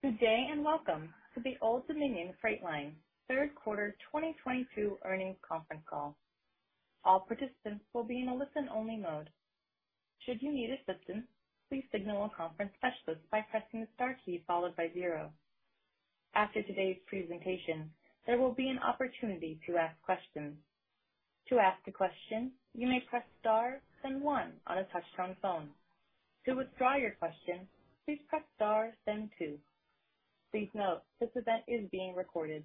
Good day, and welcome to the Old Dominion Freight Line Third Quarter 2022 Earnings Conference Call. All participants will be in a listen-only mode. Should you need assistance, please signal a conference specialist by pressing the star key followed by zero. After today's presentation, there will be an opportunity to ask questions. To ask a question, you may press star then one on a touch-tone phone. To withdraw your question, please press star then two. Please note, this event is being recorded.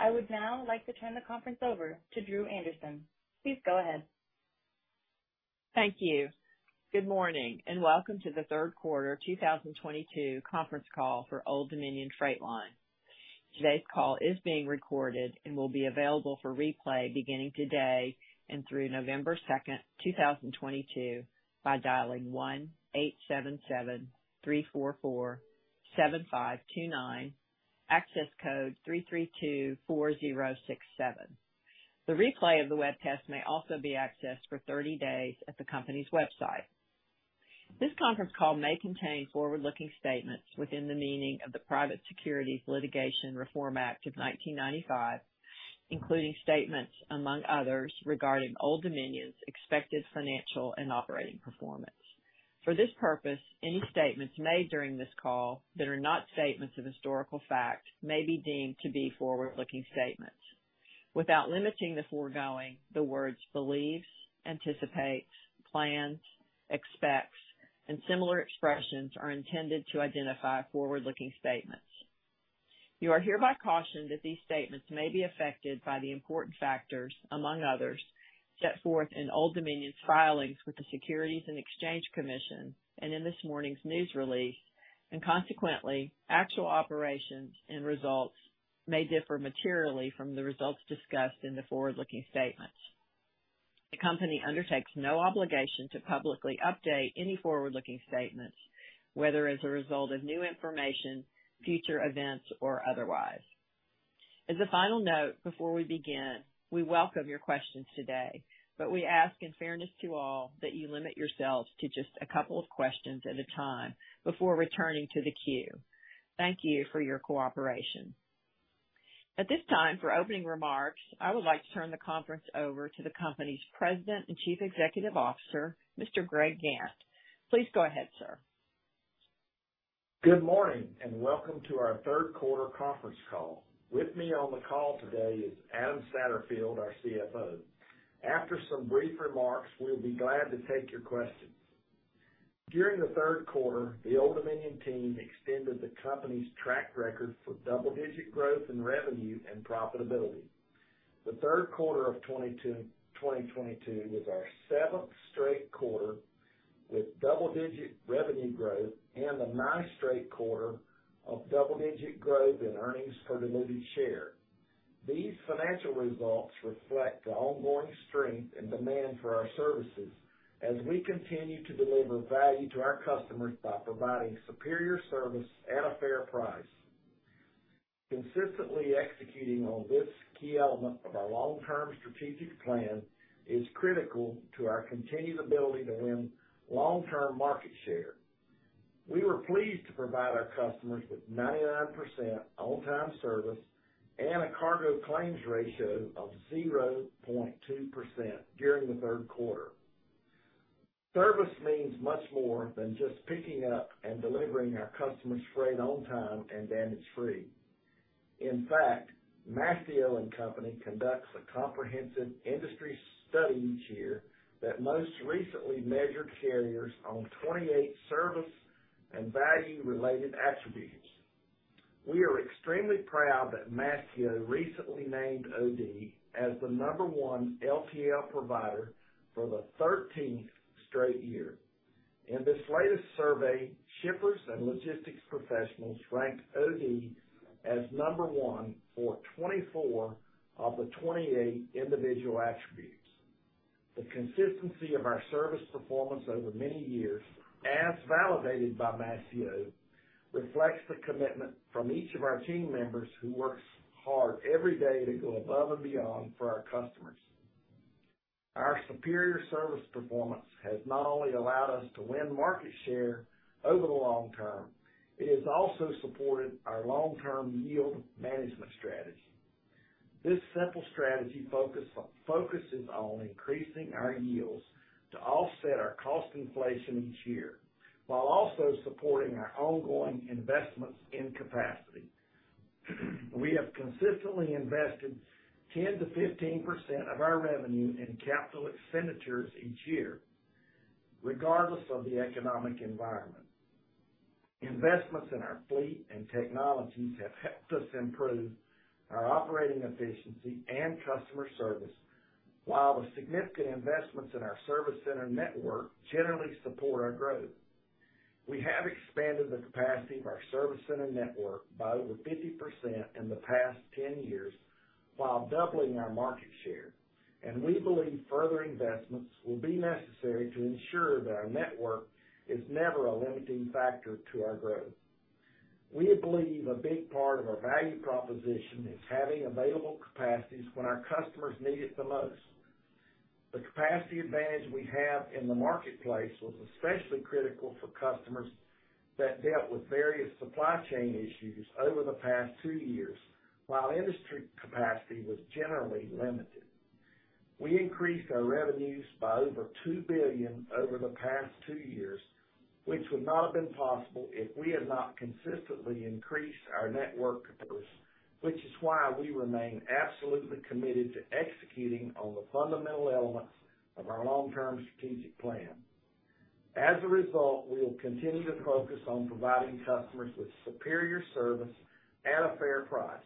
I would now like to turn the conference over to Drew Anderson. Please go ahead. Thank you. Good morning, and welcome to the third quarter 2022 conference call for Old Dominion Freight Line. Today's call is being recorded and will be available for replay beginning today and through November 2nd, 2022 by dialing 1-877-344-7529, access code 332-4067. The replay of the webcast may also be accessed for 30 days at the company's website. This conference call may contain forward-looking statements within the meaning of the Private Securities Litigation Reform Act of 1995, including statements among others regarding Old Dominion's expected financial and operating performance. For this purpose, any statements made during this call that are not statements of historical fact may be deemed to be forward-looking statements. Without limiting the foregoing, the words believes, anticipates, plans, expects, and similar expressions are intended to identify forward-looking statements. You are hereby cautioned that these statements may be affected by the important factors, among others, set forth in Old Dominion's filings with the Securities and Exchange Commission and in this morning's news release, and consequently, actual operations and results may differ materially from the results discussed in the forward-looking statements. The company undertakes no obligation to publicly update any forward-looking statements, whether as a result of new information, future events, or otherwise. As a final note, before we begin, we welcome your questions today, but we ask in fairness to all that you limit yourselves to just a couple of questions at a time before returning to the queue. Thank you for your cooperation. At this time, for opening remarks, I would like to turn the conference over to the company's President and Chief Executive Officer, Mr. Greg Gantt. Please go ahead, sir. Good morning, and welcome to our third quarter conference call. With me on the call today is Adam Satterfield, our CFO. After some brief remarks, we'll be glad to take your questions. During the third quarter, the Old Dominion team extended the company's track record for double-digit growth in revenue and profitability. The third quarter of 2022 was our seventh straight quarter with double-digit revenue growth and the ninth straight quarter of double-digit growth in earnings per diluted share. These financial results reflect the ongoing strength and demand for our services as we continue to deliver value to our customers by providing superior service at a fair price. Consistently executing on this key element of our long-term strategic plan is critical to our continued ability to win long-term market share. We were pleased to provide our customers with 99% on-time service and a cargo claims ratio of 0.2% during the third quarter. Service means much more than just picking up and delivering our customer's freight on time and damage-free. In fact, Mastio and Company conducts a comprehensive industry study each year that most recently measured carriers on 28 service and value-related attributes. We are extremely proud that Mastio recently named OD as the number one LTL provider for the 13th straight year. In this latest survey, shippers and logistics professionals ranked OD as number one for 24 of the 28 individual attributes. The consistency of our service performance over many years, as validated by Mastio, reflects the commitment from each of our team members who works hard every day to go above and beyond for our customers. Our superior service performance has not only allowed us to win market share over the long-term, it has also supported our long-term yield management strategy. This simple strategy focuses on increasing our yields to offset our cost inflation each year while also supporting our ongoing investments in capacity. We have consistently invested 10%-15% of our revenue in capital expenditures each year, regardless of the economic environment. Investments in our fleet and technologies have helped us improve our operating efficiency and customer service, while the significant investments in our service center network generally support our growth. We have expanded the capacity of our service center network by over 50% in the past 10 years while doubling our market share, and we believe further investments will be necessary to ensure that our network is never a limiting factor to our growth. We believe a big part of our value proposition is having available capacities when our customers need it the most. The capacity advantage we have in the marketplace was especially critical for customers that dealt with various supply chain issues over the past two years, while industry capacity was generally limited. We increased our revenues by over $2 billion over the past two years, which would not have been possible if we had not consistently increased our network capacity, which is why we remain absolutely committed to executing on the fundamental elements of our long-term strategic plan. As a result, we will continue to focus on providing customers with superior service at a fair price.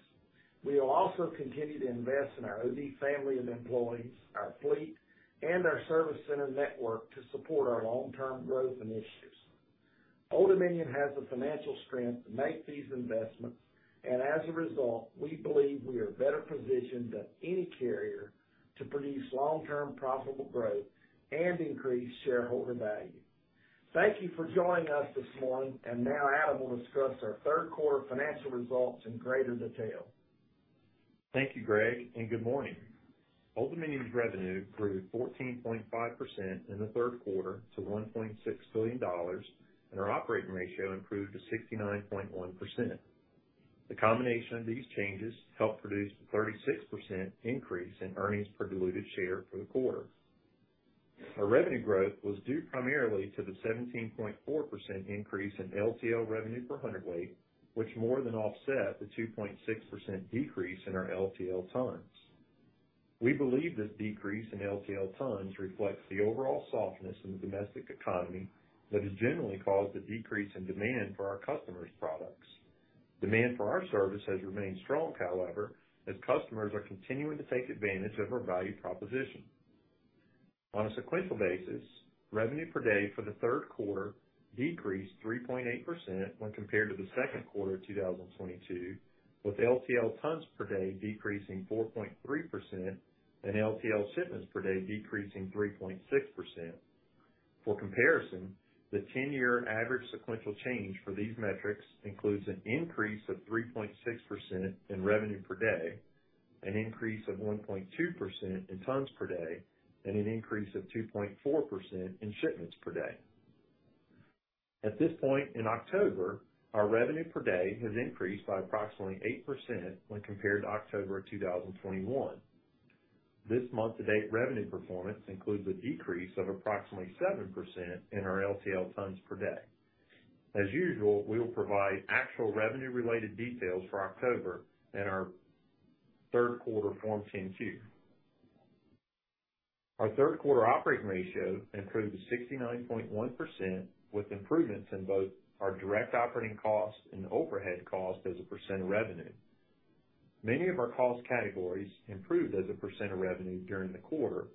We will also continue to invest in our OD family of employees, our fleet, and our service center network to support our long-term growth initiatives. Old Dominion has the financial strength to make these investments, and as a result, we believe we are better positioned than any carrier to produce long-term profitable growth and increase shareholder value. Thank you for joining us this morning. Now Adam will discuss our third quarter financial results in greater detail. Thank you, Greg, and good morning. Old Dominion's revenue grew 14.5% in the third quarter to $1.6 billion, and our operating ratio improved to 69.1%. The combination of these changes helped produce a 36% increase in earnings per diluted share for the quarter. Our revenue growth was due primarily to the 17.4% increase in LTL revenue per hundredweight, which more than offset the 2.6% decrease in our LTL tons. We believe this decrease in LTL tons reflects the overall softness in the domestic economy that has generally caused a decrease in demand for our customers' products. Demand for our service has remained strong, however, as customers are continuing to take advantage of our value proposition. On a sequential basis, revenue per day for the third quarter decreased 3.8% when compared to the second quarter of 2022, with LTL tons per day decreasing 4.3% and LTL shipments per day decreasing 3.6%. For comparison, the ten-year average sequential change for these metrics includes an increase of 3.6% in revenue per day, an increase of 1.2% in tons per day, and an increase of 2.4% in shipments per day. At this point in October, our revenue per day has increased by approximately 8% when compared to October of 2021. This month-to-date revenue performance includes a decrease of approximately 7% in our LTL tons per day. As usual, we will provide actual revenue-related details for October in our third quarter Form 10-Q. Our third quarter operating ratio improved to 69.1%, with improvements in both our direct operating costs and overhead costs as a percent of revenue. Many of our cost categories improved as a percent of revenue during the quarter.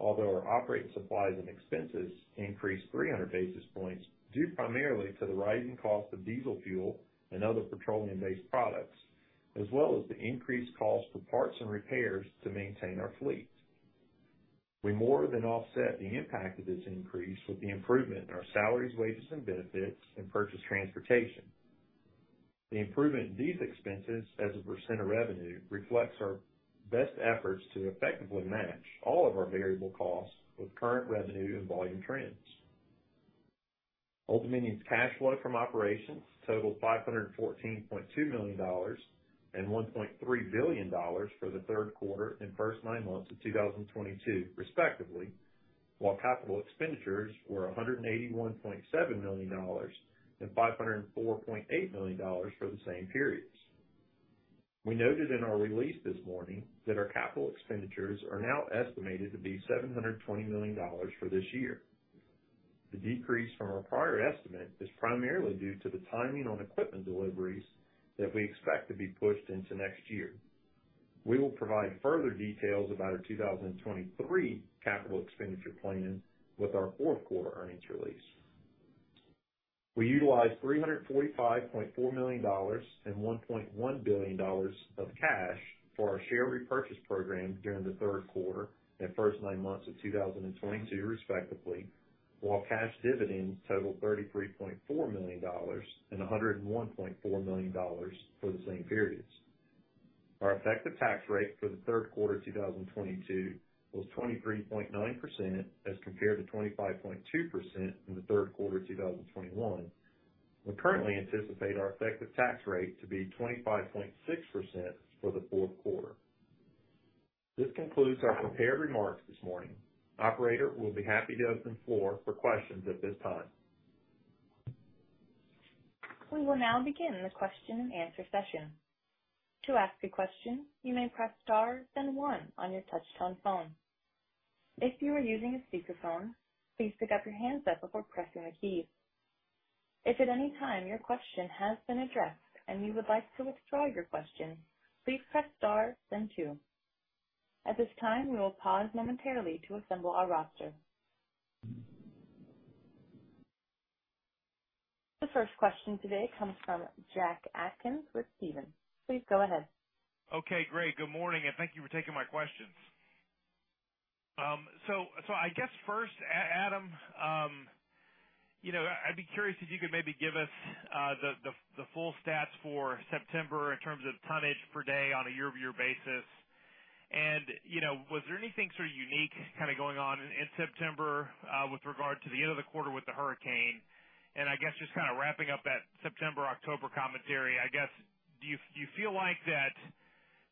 Although our operating supplies and expenses increased 300 basis points due primarily to the rising cost of diesel fuel and other petroleum-based products, as well as the increased cost for parts and repairs to maintain our fleet. We more than offset the impact of this increase with the improvement in our salaries, wages, and benefits, and purchased transportation. The improvement in these expenses as a percent of revenue reflects our best efforts to effectively match all of our variable costs with current revenue and volume trends. Old Dominion's cash flow from operations totaled $514.2 million and $1.3 billion for the third quarter and first nine months of 2022 respectively, while capital expenditures were $181.7 million and $504.8 million for the same periods. We noted in our release this morning that our capital expenditures are now estimated to be $720 million for this year. The decrease from our prior estimate is primarily due to the timing on equipment deliveries that we expect to be pushed into next year. We will provide further details about our 2023 capital expenditure plans with our fourth quarter earnings release. We utilized $345.4 million and $1.1 billion of cash for our share repurchase program during the third quarter and first nine months of 2022 respectively, while cash dividends totaled $33.4 million and $101.4 million for the same periods. Our effective tax rate for the third quarter 2022 was 23.9% as compared to 25.2% in the third quarter of 2021. We currently anticipate our effective tax rate to be 25.6% for the fourth quarter. This concludes our prepared remarks this morning. Operator, we'll be happy to open the floor for questions at this time. We will now begin the question-and-answer session. To ask a question, you may press star then one on your touchtone phone. If you are using a speakerphone, please pick up your handset before pressing the key. If at any time your question has been addressed and you would like to withdraw your question, please press star then two. At this time, we will pause momentarily to assemble our roster. The first question today comes from Jack Atkins with Stephens. Please go ahead. Okay, great. Good morning, and thank you for taking my questions. I guess first, Adam, You know, I'd be curious if you could maybe give us the full stats for September in terms of tonnage per day on a year-over-year basis. You know, was there anything sort of unique kinda going on in September with regard to the end of the quarter with the hurricane? I guess just kinda wrapping up that September-October commentary, I guess, do you feel like that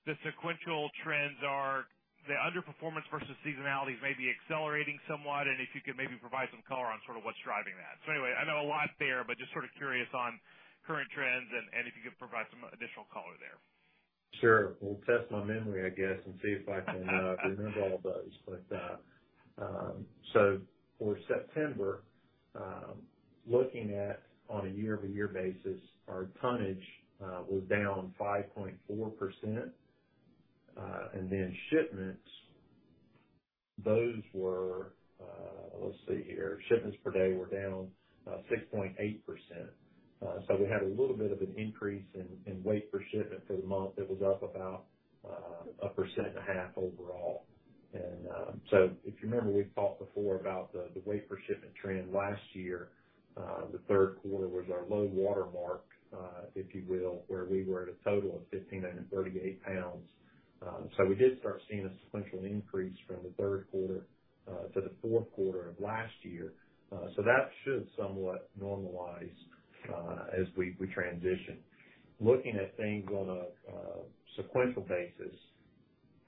the sequential trends are the underperformance versus seasonality is maybe accelerating somewhat, and if you could maybe provide some color on sort of what's driving that. Anyway, I know a lot there, but just sort of curious on current trends and if you could provide some additional color there. Sure. We'll test my memory, I guess, and see if I can remember all those. For September, looking at on a year-over-year basis, our tonnage was down 5.4%. Shipments, those were, let's see here. Shipments per day were down 6.8%. We had a little bit of an increase in weight per shipment for the month. It was up about 1.5% overall. If you remember, we've talked before about the weight per shipment trend. Last year, the third quarter was our low water mark, if you will, where we were at a total of 1,538 pounds. We did start seeing a sequential increase from the third quarter to the fourth quarter of last year. That should somewhat normalize as we transition. Looking at things on a sequential basis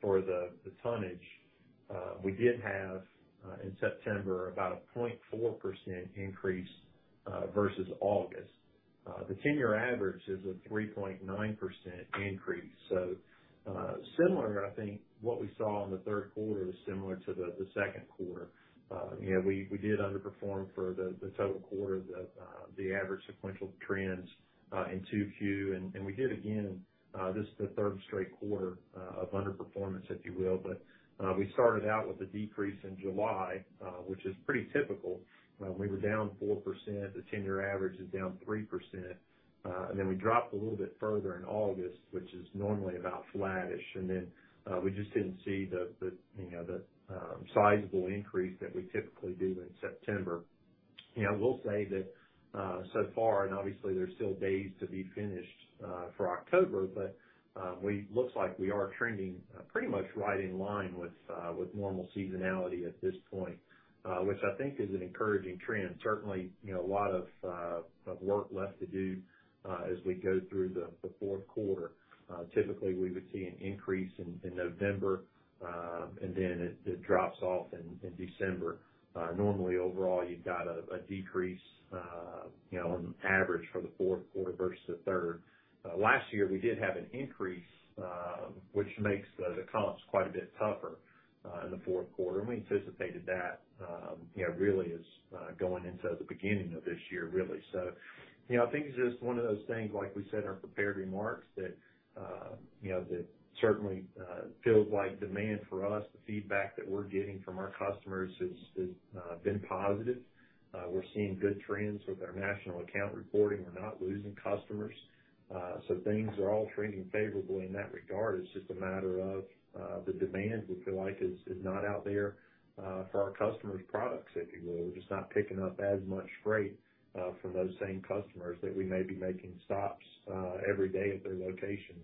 for the tonnage, we did have in September about a 0.4% increase versus August. The 10-year average is a 3.9% increase. Similar, I think what we saw in the third quarter was similar to the second quarter. You know, we did underperform for the total quarter the average sequential trends in 2Q. We did again. This is the third straight quarter of underperformance, if you will. We started out with a decrease in July, which is pretty typical. We were down 4%. The 10-year average is down 3%. We dropped a little bit further in August, which is normally about flat-ish. We just didn't see the, you know, the sizable increase that we typically do in September. You know, I will say that, so far, and obviously there's still days to be finished for October, but we looks like we are trending pretty much right in line with with normal seasonality at this point, which I think is an encouraging trend. Certainly, you know, a lot of of work left to do as we go through the the fourth quarter. Typically, we would see an increase in in November, and then it it drops off in in December. Normally overall, you've got a decrease, you know, on average for the fourth quarter versus the third. Last year we did have an increase, which makes the comps quite a bit tougher in the fourth quarter, and we anticipated that, you know, really as going into the beginning of this year, really. I think it's just one of those things, like we said in our prepared remarks, that you know that certainly feels like demand for us, the feedback that we're getting from our customers has been positive. We're seeing good trends with our national account reporting. We're not losing customers. Things are all trending favorably in that regard. It's just a matter of the demand we feel like is not out there for our customers' products, if you will. We're just not picking up as much freight from those same customers that we may be making stops every day at their location.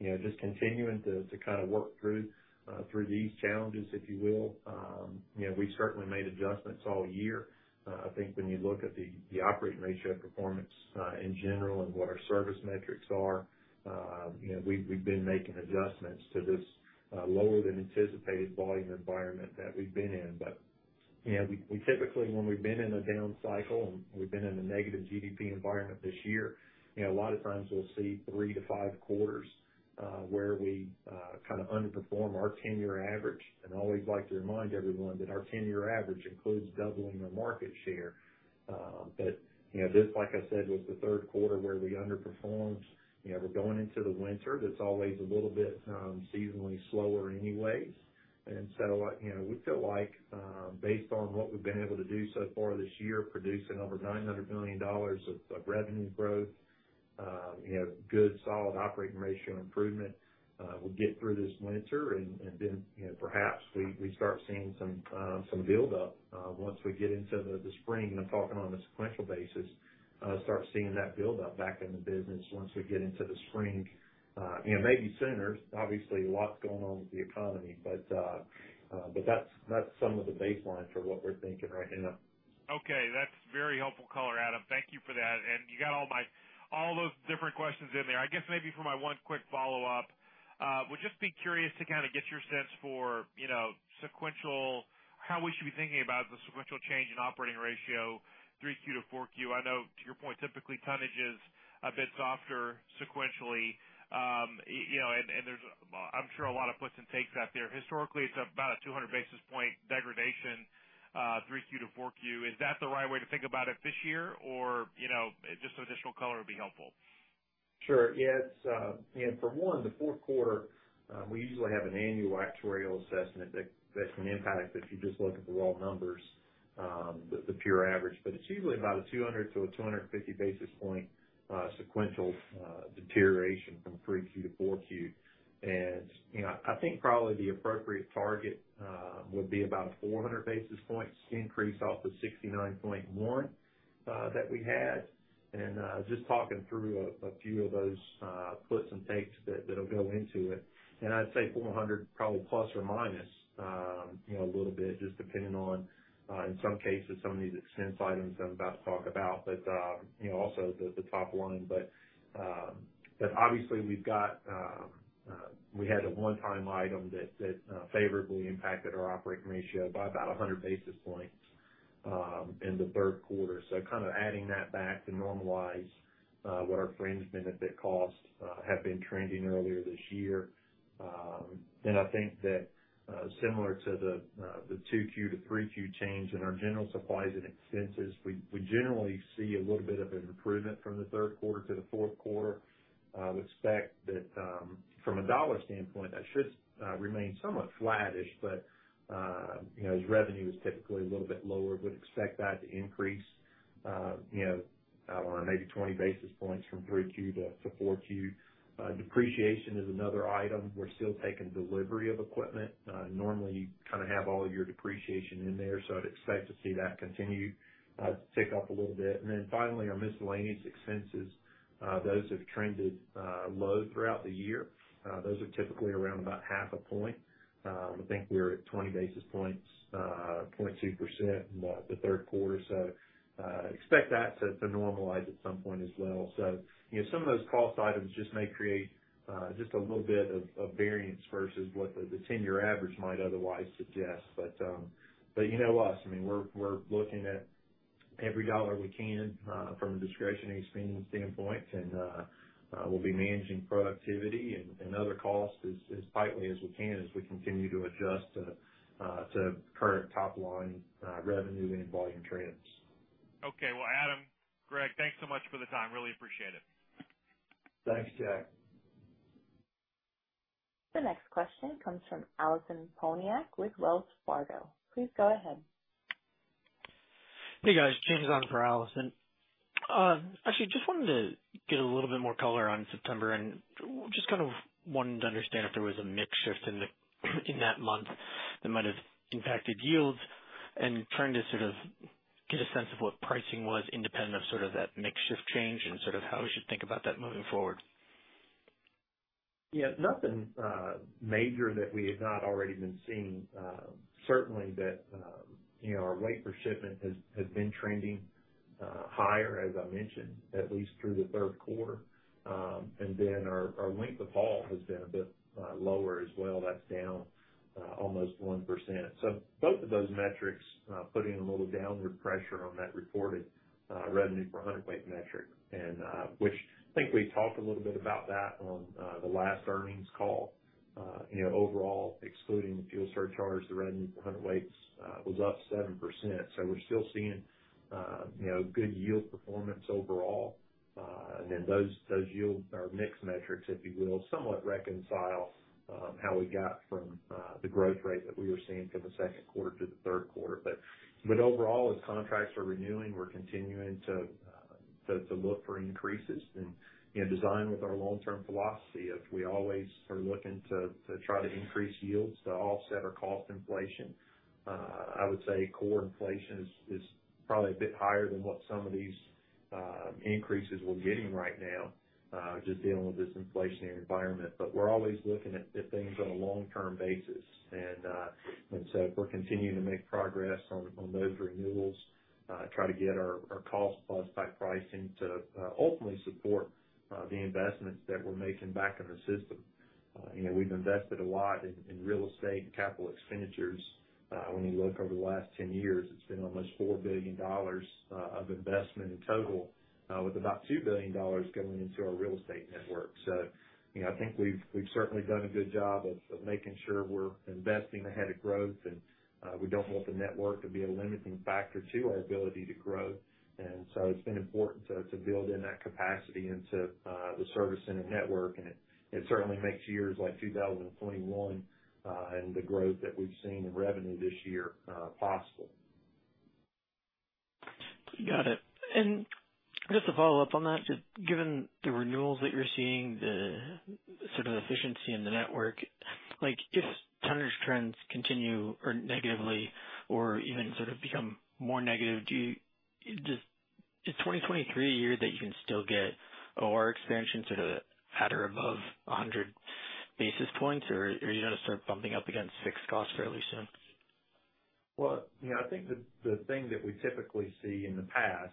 You know, just continuing to kinda work through these challenges, if you will. You know, we certainly made adjustments all year. I think when you look at the operating ratio performance in general and what our service metrics are, you know, we've been making adjustments to this lower than anticipated volume environment that we've been in. You know, we typically, when we've been in a down cycle, and we've been in a negative GDP environment this year, you know, a lot of times we'll see three-five quarters where we kinda underperform our 10-year average. I always like to remind everyone that our 10-year average includes doubling the market share. You know, this, like I said, was the third quarter where we underperformed. You know, we're going into the winter. That's always a little bit seasonally slower anyways. Like, you know, we feel like, based on what we've been able to do so far this year, producing over $900 million of revenue growth, you know, good solid operating ratio improvement, we'll get through this winter and then, you know, perhaps we start seeing some buildup once we get into the spring. I'm talking on a sequential basis, start seeing that buildup back in the business once we get into the spring. You know, maybe sooner. Obviously, lots going on with the economy. But that's some of the baseline for what we're thinking right now. Okay. That's very helpful color, Adam. Thank you for that. You got all those different questions in there. I guess maybe for my one quick follow-up, would just be curious to kinda get your sense for, you know, sequential, how we should be thinking about the sequential change in operating ratio, 3Q to 4Q. I know to your point, typically tonnage is a bit softer sequentially. You know, and there's, I'm sure a lot of puts and takes out there. Historically, it's about a 200 basis point degradation, 3Q to 4Q. Is that the right way to think about it this year? Or, you know, just some additional color would be helpful. Sure. Yeah. It's, you know, for one, the fourth quarter, we usually have an annual actuarial assessment that's an impact if you just look at the raw numbers, the pure average. But it's usually about 200-250 basis points sequential deterioration from 3Q to 4Q. You know, I think probably the appropriate target would be about 400 basis points increase off the 69.1 that we had. Just talking through a few of those puts and takes that'll go into it. I'd say 400 probably plus or minus, you know, a little bit just depending on, in some cases, some of these expense items that I'm about to talk about. You know, also the top line. Obviously we had a one-time item that favorably impacted our operating ratio by about 100 basis points in the third quarter. Kind of adding that back to normalize what our fringe benefit costs have been trending earlier this year. I think that similar to the 2Q to 3Q change in our general supplies and expenses, we generally see a little bit of an improvement from the third quarter to the fourth quarter. We expect that from a dollar standpoint, that should remain somewhat flattish, but you know, as revenue is typically a little bit lower, would expect that to increase, you know, I don't know, maybe 20 basis points from 3Q to 4Q. Depreciation is another item. We're still taking delivery of equipment. Normally, you kind of have all your depreciation in there, so I'd expect to see that continue to tick up a little bit. Finally, our miscellaneous expenses, those have trended low throughout the year. Those are typically around about half a point. I think we were at 20 basis points, point two percent in the third quarter. Expect that to normalize at some point as well. You know, some of those cost items just may create just a little bit of variance versus what the ten-year average might otherwise suggest. You know us. I mean, we're looking at every dollar we can from a discretionary spending standpoint. We'll be managing productivity and other costs as tightly as we can as we continue to adjust to current top line revenue and volume trends. Okay. Well, Adam, Greg, thanks so much for the time. Really appreciate it. Thanks, Jack. The next question comes from Allison Poliniak-Cusic with Wells Fargo. Please go ahead. Hey, guys. James on for Allison. Actually, just wanted to get a little bit more color on September and just kind of wanted to understand if there was a mix shift in that month that might have impacted yields and trying to sort of get a sense of what pricing was independent of sort of that mix shift change and sort of how we should think about that moving forward. Yeah, nothing major that we had not already been seeing. Certainly that, you know, our weight per shipment has been trending higher, as I mentioned, at least through the third quarter. And then our length of haul has been a bit lower as well. That's down almost 1%. So both of those metrics putting a little downward pressure on that reported revenue per hundredweight metric. And which I think we talked a little bit about that on the last earnings call. You know, overall, excluding the fuel surcharge, the revenue per hundredweight was up 7%. So we're still seeing, you know, good yield performance overall. Then those yield or mix metrics, if you will, somewhat reconcile how we got from the growth rate that we were seeing from the second quarter to the third quarter. Overall, as contracts are renewing, we're continuing to look for increases. You know, align with our long-term philosophy of we always are looking to try to increase yields to offset our cost inflation. I would say core inflation is probably a bit higher than what some of these increases we're getting right now, just dealing with this inflationary environment. We're always looking at things on a long-term basis. If we're continuing to make progress on those renewals, try to get our costs plus that pricing to ultimately support the investments that we're making back in the system. You know, we've invested a lot in real estate and capital expenditures. When you look over the last 10 years, it's been almost $4 billion of investment in total, with about $2 billion going into our real estate network. You know, I think we've certainly done a good job of making sure we're investing ahead of growth. We don't want the network to be a limiting factor to our ability to grow. It's been important to build in that capacity into the service center network. It certainly makes years like 2021 and the growth that we've seen in revenue this year possible. Got it. Just to follow up on that, just given the renewals that you're seeing, the sort of efficiency in the network, like if tonnage trends continue or negatively or even sort of become more negative, is 2023 a year that you can still get OR expansion sort of at or above 100 basis points, or are you gonna start bumping up against fixed costs fairly soon? Well, you know, I think the thing that we typically see in the past,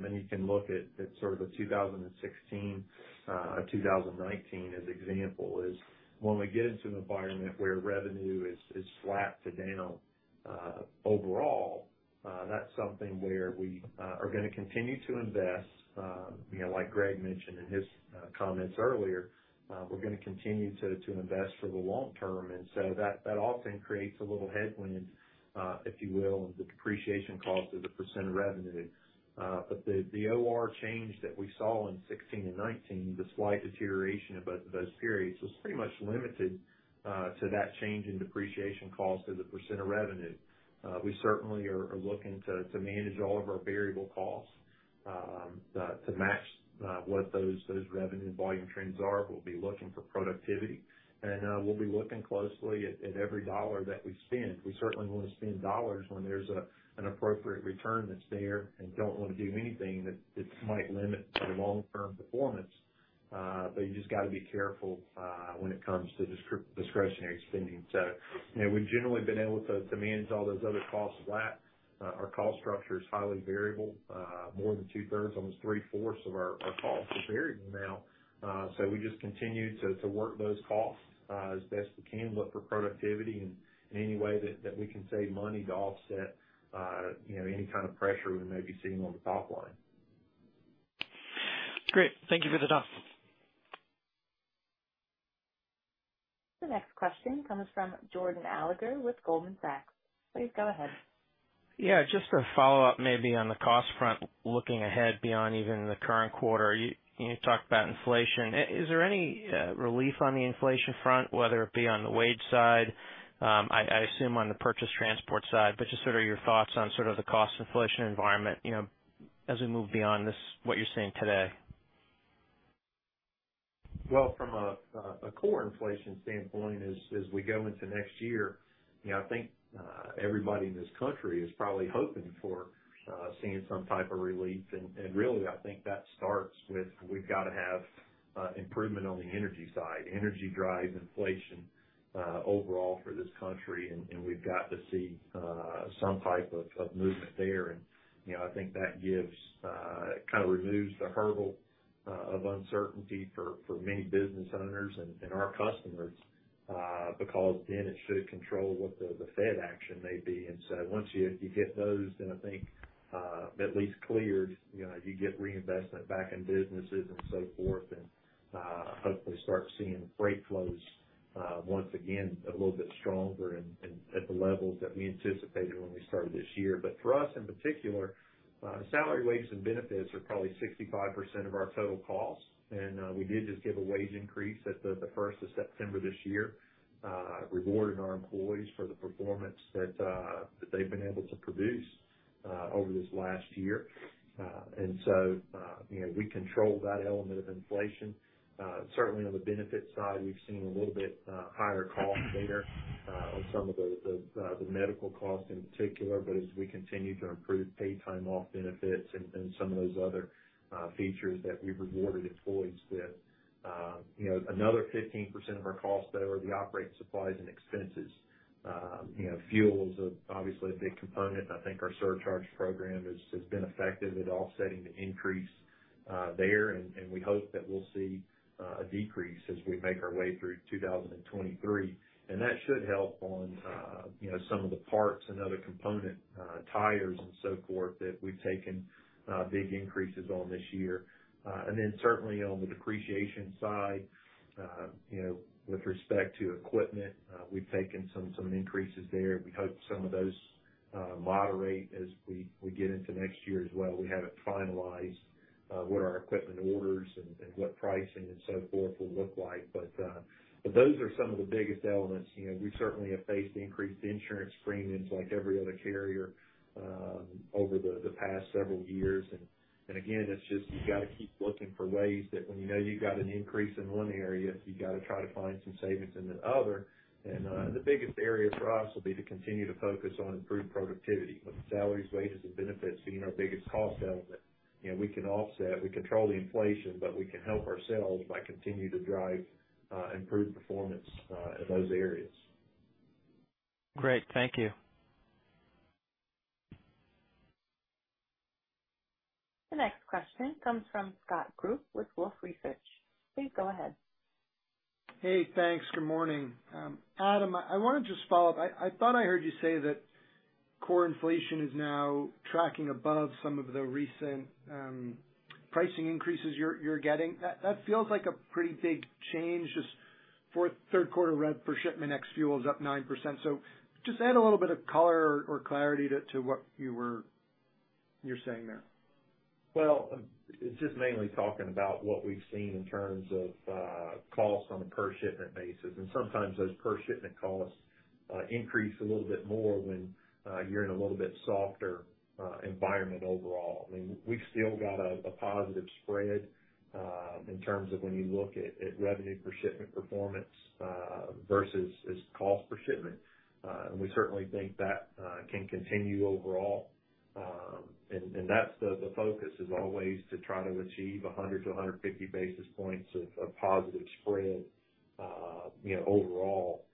and you can look at sort of the 2016, 2019 as example, is when we get into an environment where revenue is flat to down overall, that's something where we are gonna continue to invest. You know, like Greg mentioned in his comments earlier, we're gonna continue to invest for the long-term. That often creates a little headwind, if you will, of the depreciation cost as a percent of revenue. The OR change that we saw in 2016 and 2019, the slight deterioration of both those periods was pretty much limited to that change in depreciation cost as a percentage of revenue. We certainly are looking to manage all of our variable costs to match what those revenue volume trends are. We'll be looking for productivity, and we'll be looking closely at every dollar that we spend. We certainly wanna spend dollars when there's an appropriate return that's there, and don't wanna do anything that might limit the long-term performance. You just gotta be careful when it comes to discretionary spending. You know, we've generally been able to manage all those other costs flat. Our cost structure is highly variable, more than two-thirds, almost three-fourths of our costs are variable now. We just continue to work those costs as best we can, look for productivity and any way that we can save money to offset, you know, any kind of pressure we may be seeing on the top line. Great. Thank you for the time. The next question comes from Jordan Alliger with Goldman Sachs. Please go ahead. Yeah, just a follow-up maybe on the cost front, looking ahead beyond even the current quarter. You talked about inflation. Is there any relief on the inflation front, whether it be on the wage side, I assume on the purchased transportation side, but just sort of your thoughts on sort of the cost inflation environment, you know, as we move beyond this, what you're seeing today. Well, from a core inflation standpoint, as we go into next year, you know, I think everybody in this country is probably hoping for seeing some type of relief. Really, I think that starts with we've gotta have improvement on the energy side. Energy drives inflation overall for this country, and we've got to see some type of movement there. You know, I think that gives it kinda removes the hurdle of uncertainty for many business owners and our customers because then it should control what the Fed action may be. Once you get those then I think at least cleared, you know, you get reinvestment back in businesses and so forth, and hopefully start seeing freight flows once again a little bit stronger and at the levels that we anticipated when we started this year. For us, in particular, salary, wages, and benefits are probably 65% of our total costs. We did just give a wage increase at the first of September this year, rewarding our employees for the performance that they've been able to produce over this last year. You know, we control that element of inflation. Certainly on the benefit side, we've seen a little bit higher costs there on some of the medical costs in particular. As we continue to improve paid time off benefits and some of those other features that we've rewarded employees with. You know, another 15% of our costs, though, are the operating supplies and expenses. You know, fuel is obviously a big component, and I think our surcharge program has been effective at offsetting the increase there. We hope that we'll see a decrease as we make our way through 2023. That should help on, you know, some of the parts and other component, tires and so forth, that we've taken big increases on this year. Then certainly on the depreciation side, you know, with respect to equipment, we've taken some increases there. We hope some of those moderate as we get into next year as well. We haven't finalized what our equipment orders and what pricing and so forth will look like. Those are some of the biggest elements. You know, we certainly have faced increased insurance premiums like every other carrier over the past several years. Again, it's just you gotta keep looking for ways that when you know you've got an increase in one area, you gotta try to find some savings in another. The biggest area for us will be to continue to focus on improved productivity. With salaries, wages, and benefits being our biggest cost element, you know, we can offset, we control the inflation, but we can help ourselves by continue to drive improved performance in those areas. Great. Thank you. The next question comes from Scott Group with Wolfe Research. Please go ahead. Hey, thanks. Good morning. Adam, I wanna just follow up. I thought I heard you say that core inflation is now tracking above some of the recent pricing increases you're getting. That feels like a pretty big change. Third quarter rev per shipment ex fuel is up 9%. Just add a little bit of color or clarity to what you're saying there. Well, it's just mainly talking about what we've seen in terms of costs on a per shipment basis. Sometimes those per shipment costs increase a little bit more when you're in a little bit softer environment overall. I mean, we've still got a positive spread in terms of when you look at revenue per shipment performance versus just cost per shipment. We certainly think that can continue overall. That's the focus is always to try to achieve 100-150 basis points of positive spread, you know, overall,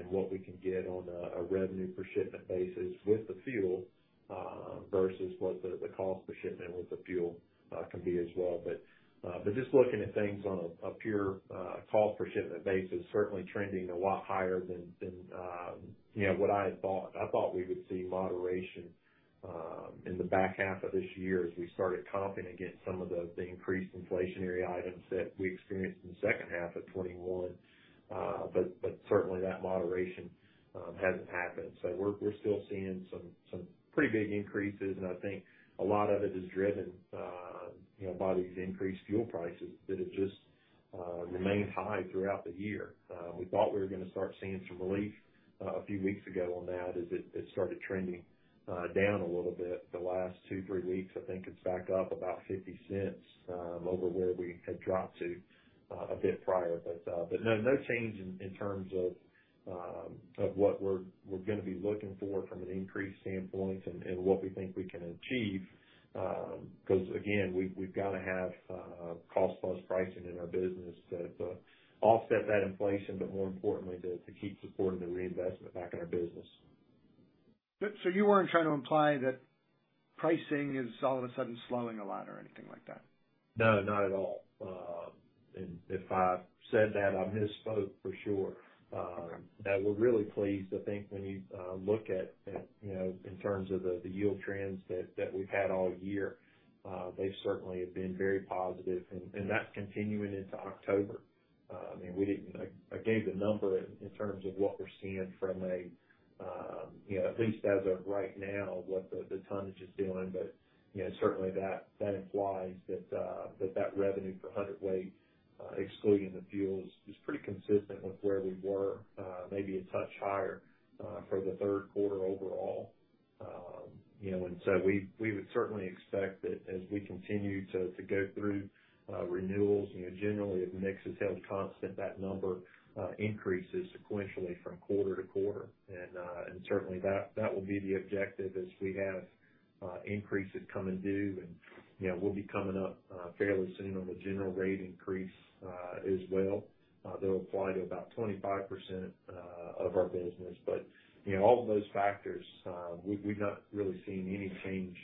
in what we can get on a revenue per shipment basis with the fuel versus what the cost per shipment with the fuel can be as well. Just looking at things on a pure cost per shipment basis, certainly trending a lot higher than you know what I had thought. I thought we would see moderation in the back half of this year as we started comping against some of the increased inflationary items that we experienced in the second half of 2021. Certainly that moderation hasn't happened. We're still seeing some pretty big increases, and I think a lot of it is driven you know by these increased fuel prices that have just remain high throughout the year. We thought we were gonna start seeing some relief a few weeks ago on that, as it started trending down a little bit. The last two, three weeks, I think it's back up about $0.50 over where we had dropped to a bit prior. No change in terms of what we're gonna be looking for from an increase standpoint and what we think we can achieve, 'cause again, we've gotta have cost plus pricing in our business to offset that inflation, but more importantly, to keep supporting the reinvestment back in our business. You weren't trying to imply that pricing is all of a sudden slowing a lot or anything like that? No, not at all. If I said that, I misspoke for sure. We're really pleased. I think when you look at you know in terms of the yield trends that we've had all year they certainly have been very positive and that's continuing into October. I mean, I gave the number in terms of what we're seeing from a you know at least as of right now what the tonnage is doing. You know, certainly that implies that that revenue for hundredweight excluding the fuels is pretty consistent with where we were maybe a touch higher for the third quarter overall. You know, we would certainly expect that as we continue to go through renewals, you know, generally, if mix is held constant, that number increases sequentially from quarter-to-quarter. Certainly that will be the objective as we have increases come and due. You know, we'll be coming up fairly soon on the general rate increase as well. They'll apply to about 25% of our business. You know, all of those factors, we've not really seen any change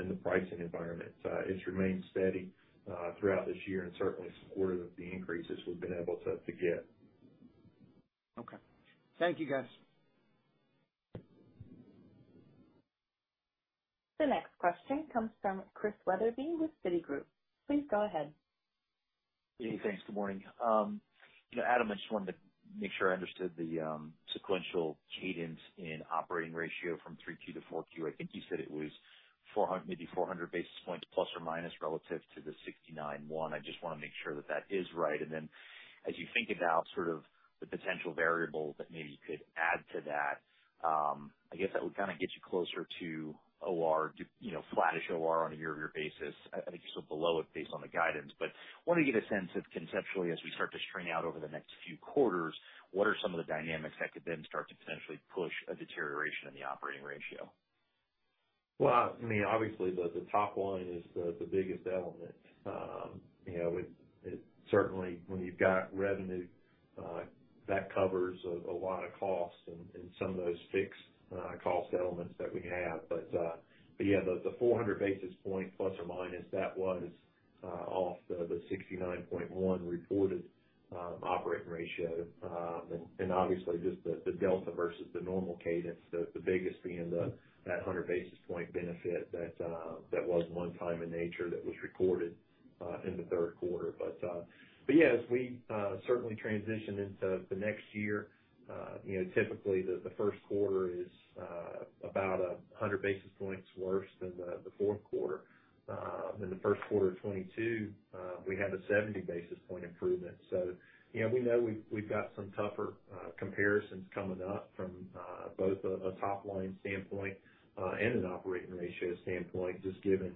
in the pricing environment. It's remained steady throughout this year and certainly supportive of the increases we've been able to get. Okay. Thank you, guys. The next question comes from Christian Wetherbee with Citigroup. Please go ahead. Hey, thanks. Good morning. You know, Adam, I just wanted to make sure I understood the sequential cadence in operating ratio from 3Q to 4Q. I think you said it was 400 basis points plus or minus relative to the 69.1. I just wanna make sure that that is right. Then as you think about sort of the potential variables that maybe you could add to that, I guess that would kinda get you closer to OR, you know, flattish OR on a year-over-year basis. I think you're still below it based on the guidance. Wanna get a sense of conceptually as we start to string out over the next few quarters, what are some of the dynamics that could then start to potentially push a deterioration in the operating ratio? Well, I mean, obviously the top line is the biggest element. You know, it certainly when you've got revenue that covers a lot of costs and some of those fixed cost elements that we have. Yeah, the 400 basis point plus or minus that was off the 69.1 reported operating ratio. And obviously just the delta versus the normal cadence. The biggest being that a 100 basis point benefit that was one-time in nature that was recorded in the third quarter. Yes, we certainly transition into the next year. You know, typically the first quarter is about 100 basis points worse than the fourth quarter. In the first quarter of 2022, we had a 70 basis point improvement. You know, we know we've got some tougher comparisons coming up from both a top-line standpoint and an operating ratio standpoint, just given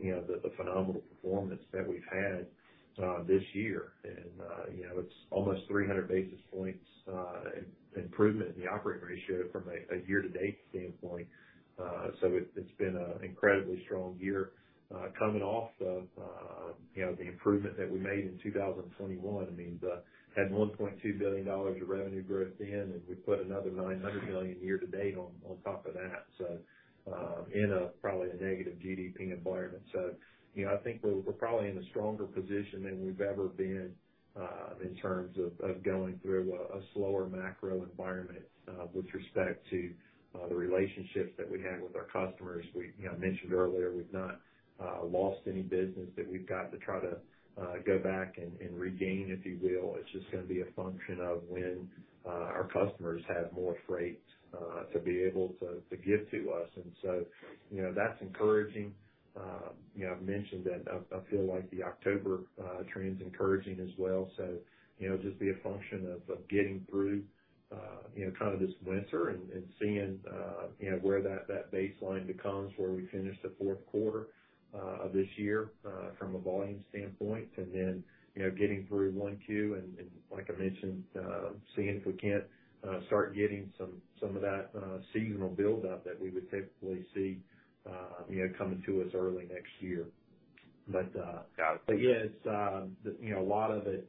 you know, the phenomenal performance that we've had this year. You know, it's almost 300 basis points improvement in the operating ratio from a year-to-date standpoint. It's been an incredibly strong year coming off of you know, the improvement that we made in 2021. I mean, we had $1.2 billion of revenue growth then, and we put another $900 million year-to-date on top of that. In probably a negative GDP environment. You know, I think we're probably in a stronger position than we've ever been in terms of going through a slower macro environment with respect to the relationships that we have with our customers. We you know mentioned earlier we've not lost any business that we've got to try to go back and regain, if you will. It's just gonna be a function of when our customers have more freight to be able to give to us. You know, that's encouraging. You know, I've mentioned that I feel like the October trend's encouraging as well. You know, just be a function of getting through, you know, kind of this winter and seeing, you know, where that baseline becomes, where we finish the fourth quarter of this year from a volume standpoint. You know, getting through 1Q and like I mentioned, seeing if we can't start getting some of that seasonal buildup that we would typically see, you know, coming to us early next year. Got it. Yeah, it's you know a lot of it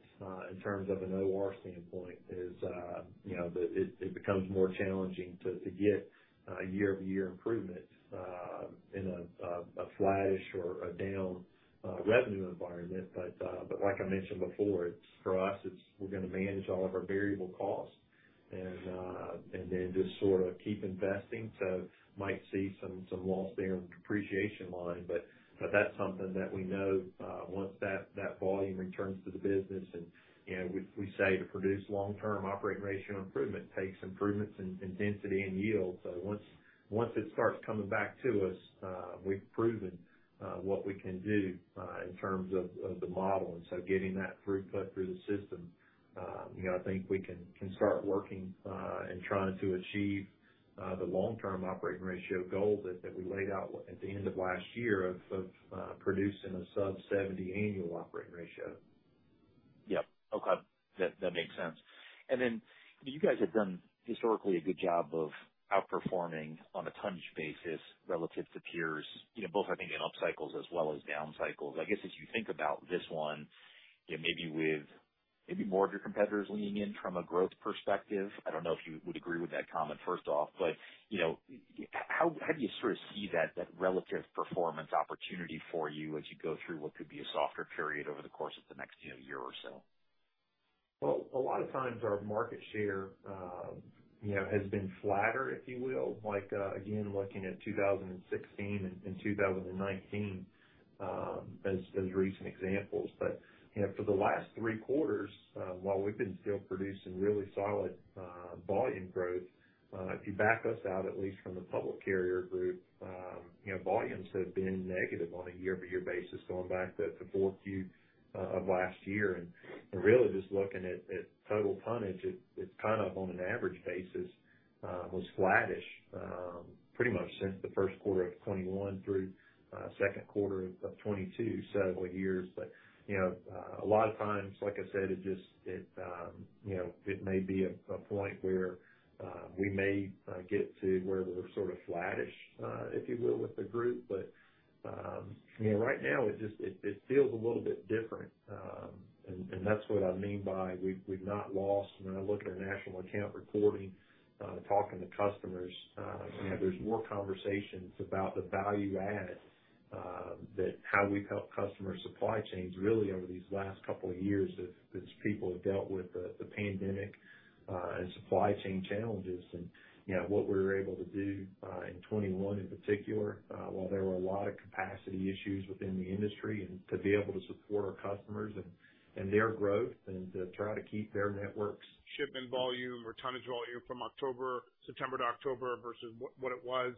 in terms of an OR standpoint is you know it becomes more challenging to get year-over-year improvement in a flattish or a down revenue environment. Like I mentioned before, it's for us we're gonna manage all of our variable costs and then just sort of keep investing. Might see some loss there on depreciation line, but that's something that we know once that volume returns to the business and you know we say to produce long-term operating ratio improvement takes improvements in density and yield. Once it starts coming back to us, we've proven what we can do in terms of the model. Getting that throughput through the system, you know, I think we can start working and trying to achieve the long-term operating ratio goal that we laid out at the end of last year of producing a sub-70 annual operating ratio. Yep. Okay. That makes sense. You guys have done historically a good job of outperforming on a tonnage basis relative to peers, you know, both I think in up cycles as well as down cycles. I guess, as you think about this one, you know, maybe with more of your competitors leaning in from a growth perspective, I don't know if you would agree with that comment first off, but, you know, how do you sort of see that relative performance opportunity for you as you go through what could be a softer period over the course of the next, you know, year or so? Well, a lot of times our market share, you know, has been flatter, if you will. Like, again, looking at 2016 and 2019, as recent examples. You know, for the last three quarters, while we've been still producing really solid volume growth, if you back us out, at least from the public carrier group, you know, volumes have been negative on a year-over-year basis going back to fourth Q of last year. Really just looking at total tonnage, it's kind of on an average basis was flattish, pretty much since the first quarter of 2021 through second quarter of 2022 several years. You know, a lot of times, like I said, it just may be a point where we may get to where we're sort of flattish, if you will, with the group. You know, right now it just feels a little bit different. That's what I mean by we've not lost. When I look at our national account reporting, talking to customers, you know, there's more conversations about the value add, that's how we've helped customer supply chains really over these last couple of years as people have dealt with the pandemic and supply chain challenges. You know, what we were able to do in 2021 in particular, while there were a lot of capacity issues within the industry, and to be able to support our customers and their growth and to try to keep their networks. Shipment volume or tonnage volume from October, September to October versus what it was.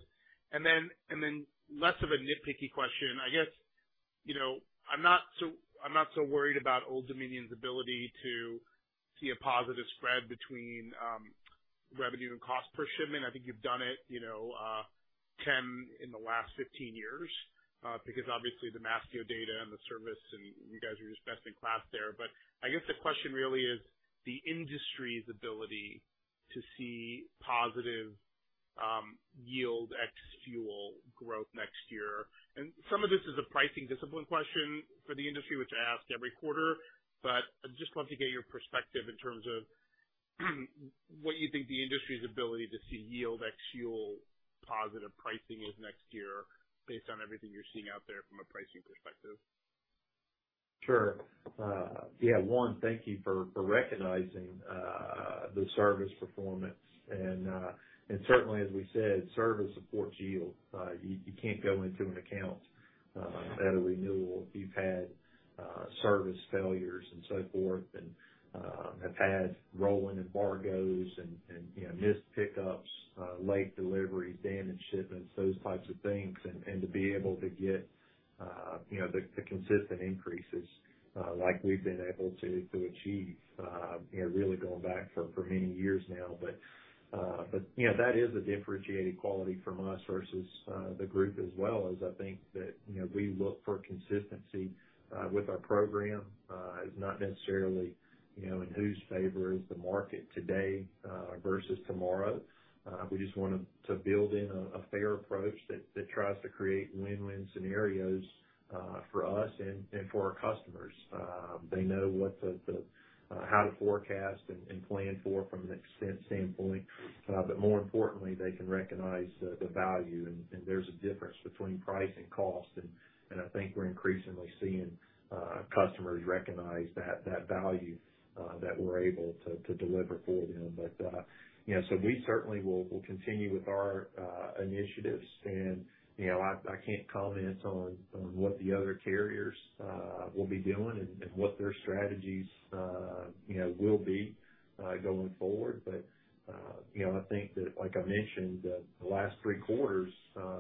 Then less of a nitpicky question. I guess, you know, I'm not so worried about Old Dominion's ability to see a positive spread between revenue and cost per shipment. I think you've done it, you know, 10 in the last 15 years, because obviously the Mastio data and the service, and you guys are just best in class there. But I guess the question really is the industry's ability to see positive yield ex-fuel growth next year. Some of this is a pricing discipline question for the industry, which I ask every quarter, but I'd just love to get your perspective in terms of what you think the industry's ability to see yield ex-fuel positive pricing is next year based on everything you're seeing out there from a pricing perspective. Sure. Thank you for recognizing the service performance. Certainly, as we said, service supports yield. You can't go into an account at a renewal if you've had service failures and so forth and you know missed pickups late deliveries damaged shipments those types of things. To be able to get you know, the consistent increases like we've been able to achieve you know, really going back for many years now. You know, that is a differentiating quality from us versus the group as well, is I think that you know, we look for consistency with our program. It's not necessarily you know, in whose favor is the market today versus tomorrow. We just want to build in a fair approach that tries to create win-win scenarios for us and for our customers. They know how to forecast and plan for from an expense standpoint. More importantly, they can recognize the value and there's a difference between price and cost. I think we're increasingly seeing customers recognize that value that we're able to deliver for them. You know, we certainly will continue with our initiatives. You know, I can't comment on what the other carriers will be doing and what their strategies you know will be going forward. You know, I think that, like I mentioned, the last three quarters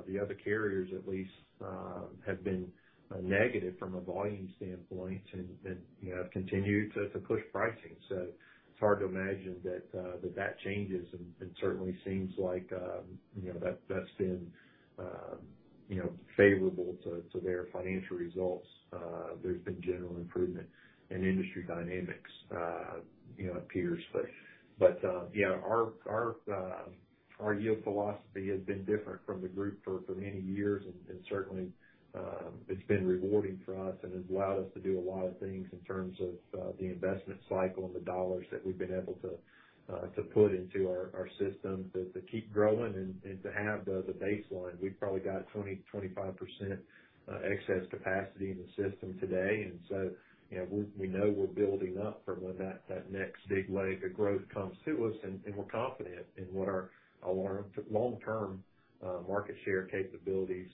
the other carriers at least have been negative from a volume standpoint and, you know, have continued to push pricing. It's hard to imagine that that changes and certainly seems like you know that has been you know favorable to their financial results. There's been general improvement in industry dynamics you know at peers. Our yield philosophy has been different from the group for many years and certainly it's been rewarding for us and has allowed us to do a lot of things in terms of the investment cycle and the dollars that we've been able to put into our system to keep growing and to have the baseline. We've probably got 20%-25% excess capacity in the system today. You know, we know we're building up for when that next big leg of growth comes to us and we're confident in what our long-term market share capabilities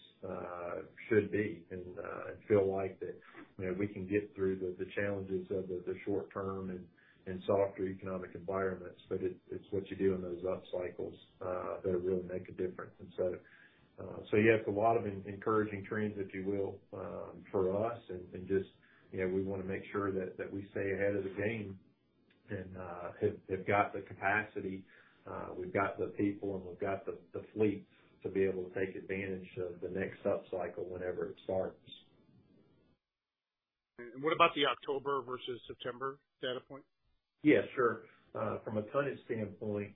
should be. You know, we can get through the challenges of the short term and softer economic environments. It's what you do in those up cycles that really make a difference. Yes, a lot of encouraging trends, if you will, for us and just, you know, we wanna make sure that we stay ahead of the game and have got the capacity, we've got the people, and we've got the fleet to be able to take advantage of the next up cycle whenever it starts. What about the October versus September data point? Yeah, sure. From a tonnage standpoint,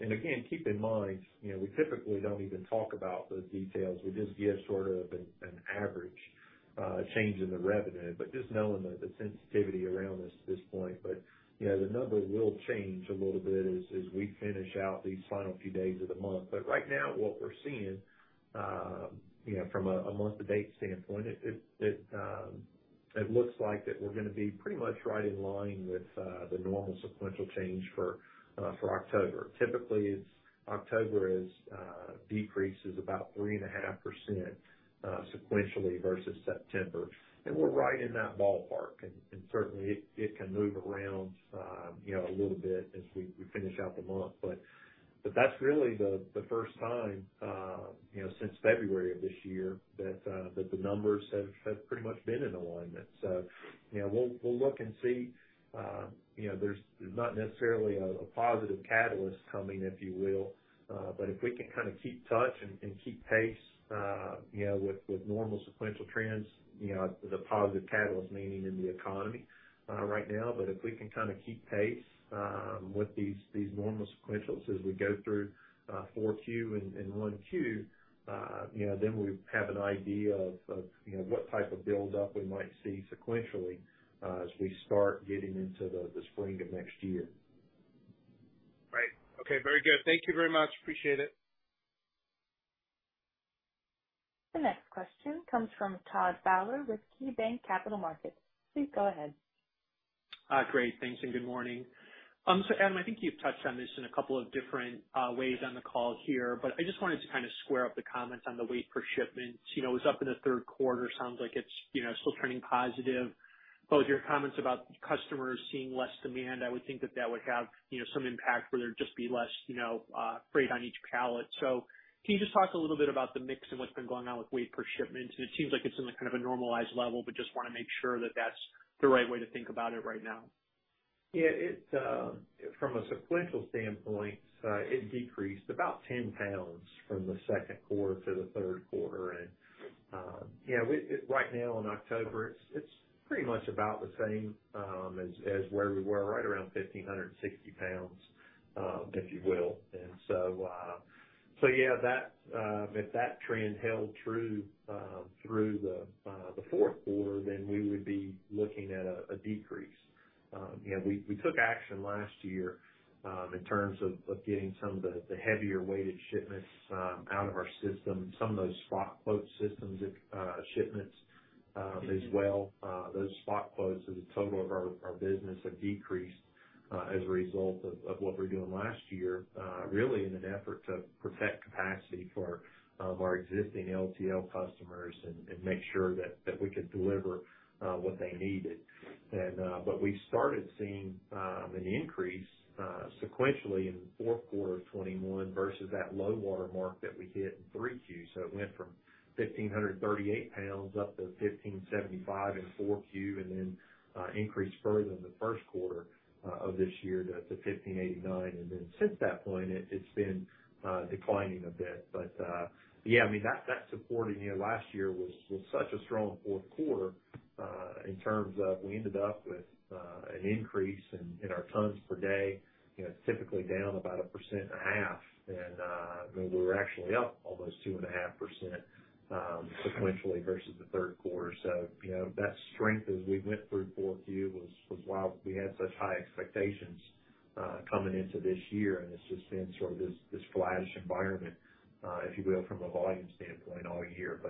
and again, keep in mind, you know, we typically don't even talk about those details. We just give sort of an average change in the revenue. Just knowing the sensitivity around this at this point, you know, the numbers will change a little bit as we finish out these final few days of the month. Right now, what we're seeing, you know, from a month to date standpoint, it looks like that we're gonna be pretty much right in line with the normal sequential change for October. Typically, October decreases about 3.5%, sequentially versus September. We're right in that ballpark. Certainly it can move around, you know, a little bit as we finish out the month. That's really the first time, you know, since February of this year that the numbers have pretty much been in alignment. You know, we'll look and see. You know, there's not necessarily a positive catalyst coming, if you will. But if we can kinda keep in touch and keep pace, you know, with normal sequential trends, you know, the positive catalyst meaning in the economy right now. If we can kinda keep pace with these normal sequentials as we go through 4Q and 1Q, you know, then we have an idea of you know what type of buildup we might see sequentially as we start getting into the spring of next year. Right. Okay. Very good. Thank you very much. Appreciate it. The next question comes from Todd Fowler with KeyBanc Capital Markets. Please go ahead. Great, thanks, and good morning. Adam, I think you've touched on this in a couple of different ways on the call here, but I just wanted to kinda square up the comments on the weight per shipments. You know, it was up in the third quarter, sounds like it's, you know, still turning positive. With your comments about customers seeing less demand, I would think that would have, you know, some impact where there'd just be less, you know, freight on each pallet. Can you just talk a little bit about the mix and what's been going on with weight per shipments? It seems like it's in a kind of a normalized level, but just wanna make sure that that's the right way to think about it right now. Yeah. It's from a sequential standpoint, it decreased about 10 pounds from the second quarter to the third quarter. Yeah, it right now in October, it's pretty much about the same as where we were, right around 1,560 pounds, if you will. Yeah, that if that trend held true through the fourth quarter, then we would be looking at a decrease. You know, we took action last year in terms of getting some of the heavier weighted shipments out of our system, some of those spot quote shipments, as well. Those spot quotes as a total of our business have decreased as a result of what we're doing last year really in an effort to protect capacity for our existing LTL customers and make sure that we could deliver what they needed. We started seeing an increase sequentially in fourth quarter of 2021 versus that low water mark that we hit in 3Q. It went from 1,538 pounds up to 1,575 in 4Q, and then increased further in the first quarter of this year to 1,589. Since that point, it's been declining a bit. Yeah, I mean, that support in, you know, last year was such a strong fourth quarter, in terms of we ended up with an increase in our tons per day. You know, typically down about 1.5% and, you know, we were actually up almost 2.5%, sequentially versus the third quarter. You know, that strength as we went through fourth Q was why we had such high expectations, coming into this year. It's just been sort of this flattish environment, if you will, from a volume standpoint all year.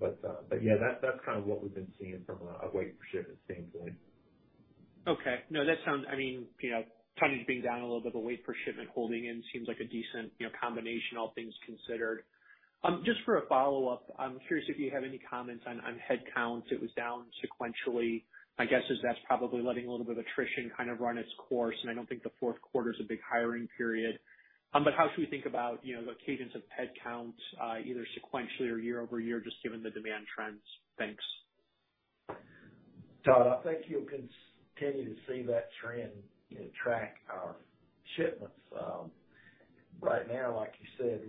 Yeah, that's kind of what we've been seeing from a weight per shipment standpoint. Okay. No, that sounds. I mean, you know, tonnage being down a little bit, the weight per shipment holding, it seems like a decent, you know, combination, all things considered. Just for a follow-up, I'm curious if you have any comments on headcounts. It was down sequentially. My guess is that's probably letting a little bit of attrition kind of run its course, and I don't think the fourth quarter is a big hiring period. How should we think about, you know, the cadence of headcounts, either sequentially or year-over-year, just given the demand trends? Thanks. Tom, I think you'll continue to see that trend, you know, track our shipments. Right now, like you said,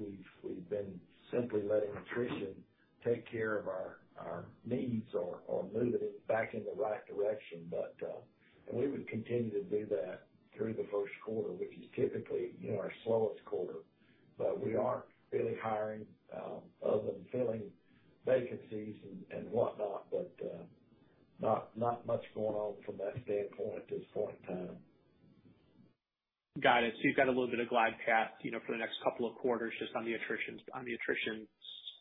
we've been simply letting attrition take care of our needs or move it back in the right direction. We would continue to do that through the first quarter, which is typically, you know, our slowest quarter. We aren't really hiring, other than filling vacancies and whatnot. Not much going on from that standpoint at this point in time. Got it. You've got a little bit of glide path, you know, for the next couple of quarters just on the attrition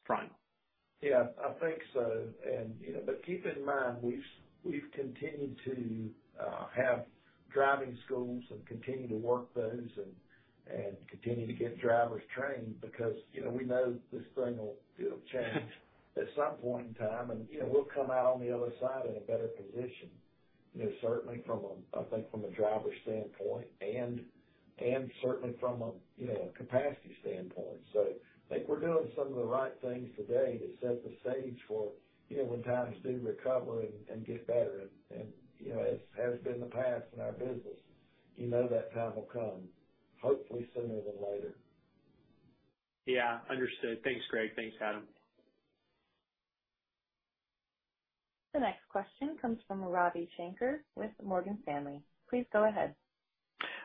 front. Yeah, I think so. You know, but keep in mind, we've continued to have driving schools and continue to work those and continue to get drivers trained because, you know, we know the spring will, it'll change at some point in time, and, you know, we'll come out on the other side in a better position. You know, certainly from a, I think from a driver standpoint and certainly from a, you know, capacity standpoint. I think we're doing some of the right things today to set the stage for, you know, when times do recover and get better. You know, as has been the past in our business, you know that time will come, hopefully sooner than later. Yeah, understood. Thanks, Greg. Thanks, Adam. The next question comes from Ravi Shanker with Morgan Stanley. Please go ahead.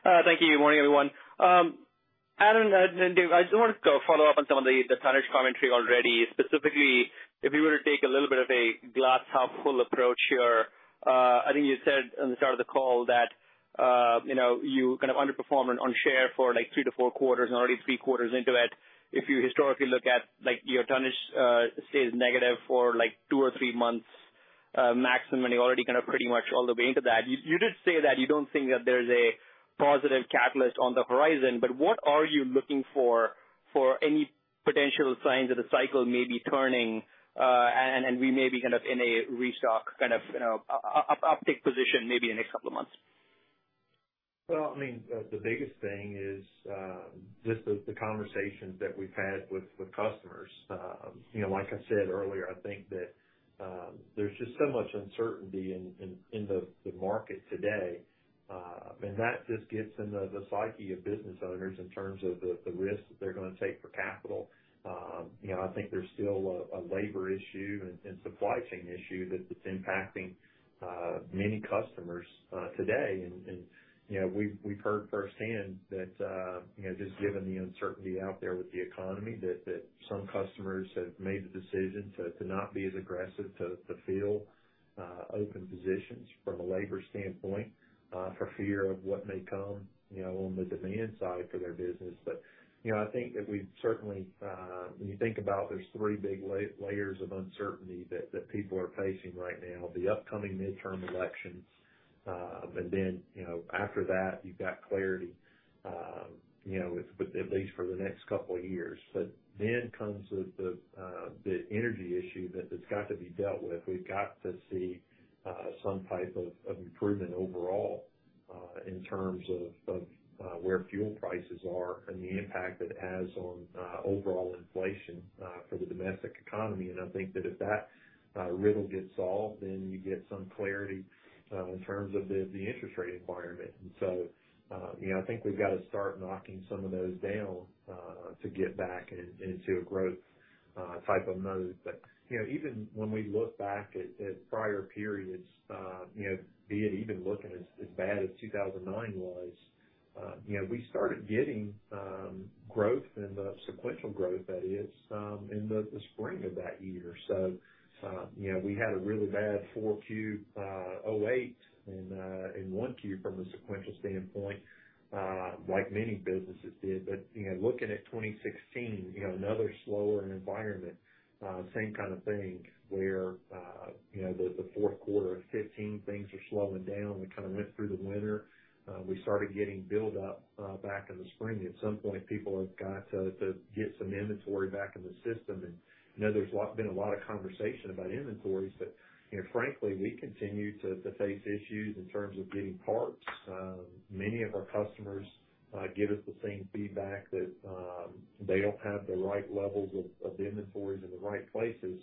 Thank you. Good morning, everyone. Adam, and I just wanted to follow up on some of the tonnage commentary already. Specifically, if you were to take a little bit of a glass half full approach here, I think you said in the start of the call that, you know, you kind of underperformed on share for like three-four quarters and already three quarters into it. If you historically look at, like, your tonnage stays negative for like two or three months, maximum, and you're already kinda pretty much all the way into that. You did say that you don't think that there's a positive catalyst on the horizon, but what are you looking for any potential signs that the cycle may be turning, and we may be kind of in a restock, kind of, you know, uptick position maybe in a couple of months? Well, I mean, the biggest thing is just the conversations that we've had with customers. You know, like I said earlier, I think that there's just so much uncertainty in the market today. That just gets into the psyche of business owners in terms of the risk that they're gonna take for capital. You know, I think there's still a labor issue and supply chain issue that's impacting many customers today. We've heard firsthand that, you know, just given the uncertainty out there with the economy, some customers have made the decision to not be as aggressive to fill open positions from a labor standpoint for fear of what may come, you know, on the demand side for their business. I think that we've certainly, when you think about there's three big layers of uncertainty that people are facing right now, the upcoming midterm elections, and then, you know, after that you've got clarity, you know, with at least for the next couple of years. Then comes the energy issue that has got to be dealt with. We've got to see some type of improvement overall in terms of where fuel prices are and the impact it has on overall inflation for the domestic economy. I think that if that riddle gets solved, then you get some clarity in terms of the interest rate environment. You know, I think we've got to start knocking some of those down to get back in into a growth type of mode. You know, even when we look back at prior periods, be it even looking as bad as 2009 was, you know, we started getting sequential growth, that is, in the spring of that year. You know, we had a really bad fourth Q 2008 and 1Q from a sequential standpoint, like many businesses did. You know, looking at 2016, you know, another slower environment, same kind of thing where you know, the fourth quarter of 2015 things are slowing down. We kinda went through the winter. We started getting build up back in the spring. At some point, people have got to get some inventory back in the system. I know there's a lot of conversation about inventories, but you know, frankly, we continue to face issues in terms of getting parts. Many of our customers give us the same feedback that they don't have the right levels of inventories in the right places.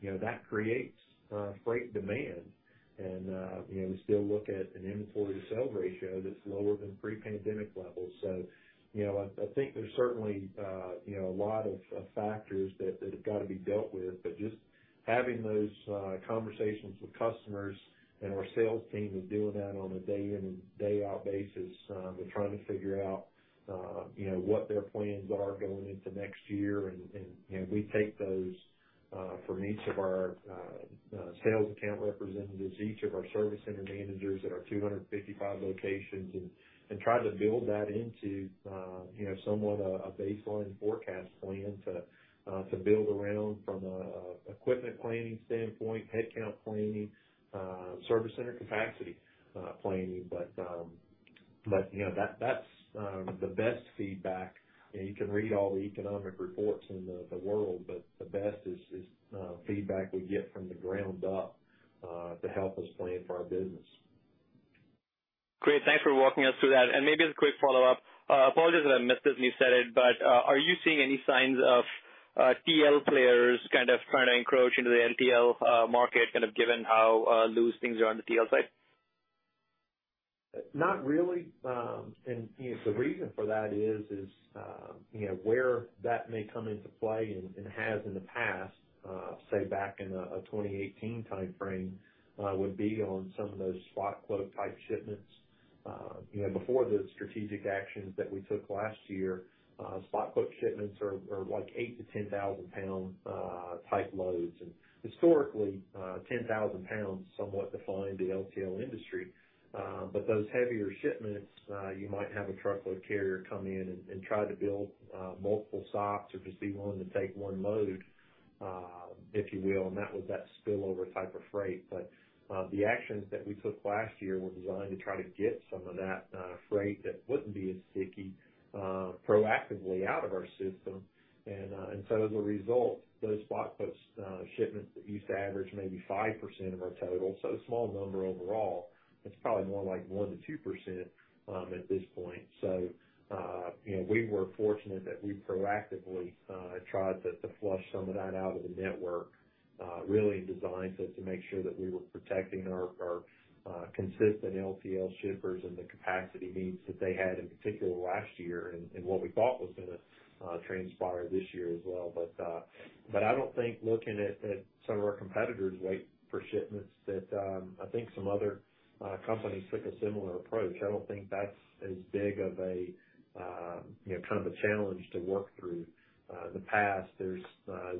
You know, that creates great demand. You know, we still look at an inventory to sale ratio that's lower than pre-pandemic levels. You know, I think there's certainly you know, a lot of factors that have got to be dealt with. Just having those conversations with customers and our sales team is doing that on a day in and day out basis. They're trying to figure out, you know, what their plans are going into next year. You know, we take those from each of our sales account representatives, each of our service center managers at our 255 locations, and try to build that into, you know, somewhat a baseline forecast plan to build around from a equipment planning standpoint, headcount planning, service center capacity planning. You know, that's the best feedback. You know, you can read all the economic reports in the world, but the best is feedback we get from the ground up to help us plan for our business. Great. Thanks for walking us through that. Maybe as a quick follow-up, apologies if I missed this when you said it, but, are you seeing any signs of, TL players kind of trying to encroach into the LTL market, kind of given how loose things are on the TL side? Not really. You know, the reason for that is, you know, where that may come into play and has in the past, say back in a 2018 timeframe, would be on some of those spot quote type shipments. You know, before the strategic actions that we took last year, spot quote shipments are like 8,000-10,000-pound type loads. Historically, 10,000 pounds somewhat defined the LTL industry. But those heavier shipments, you might have a truckload carrier come in and try to build multiple stops or just be willing to take one load. If you will, that was that spillover type of freight. The actions that we took last year were designed to try to get some of that freight that wouldn't be as sticky proactively out of our system. As a result, those spot shipments that used to average maybe 5% of our total, so a small number overall, it's probably more like 1%-2% at this point. You know, we were fortunate that we proactively tried to flush some of that out of the network, really designed to make sure that we were protecting our consistent LTL shippers and the capacity needs that they had, in particular last year, and what we thought was gonna transpire this year as well. I don't think looking at some of our competitors weight per shipments that I think some other companies took a similar approach. I don't think that's as big of a you know kind of a challenge to work through. In the past, there's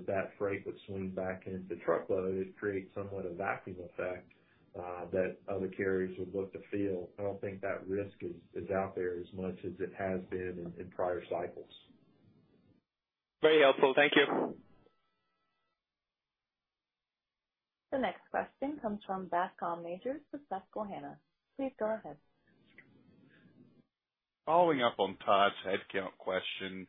that freight would swing back into truckload. It creates somewhat of a vacuum effect that other carriers would look to fill. I don't think that risk is out there as much as it has been in prior cycles. Very helpful. Thank you. The next question comes from Bascome Majors with Susquehanna. Please go ahead. Following up on Tom's headcount question,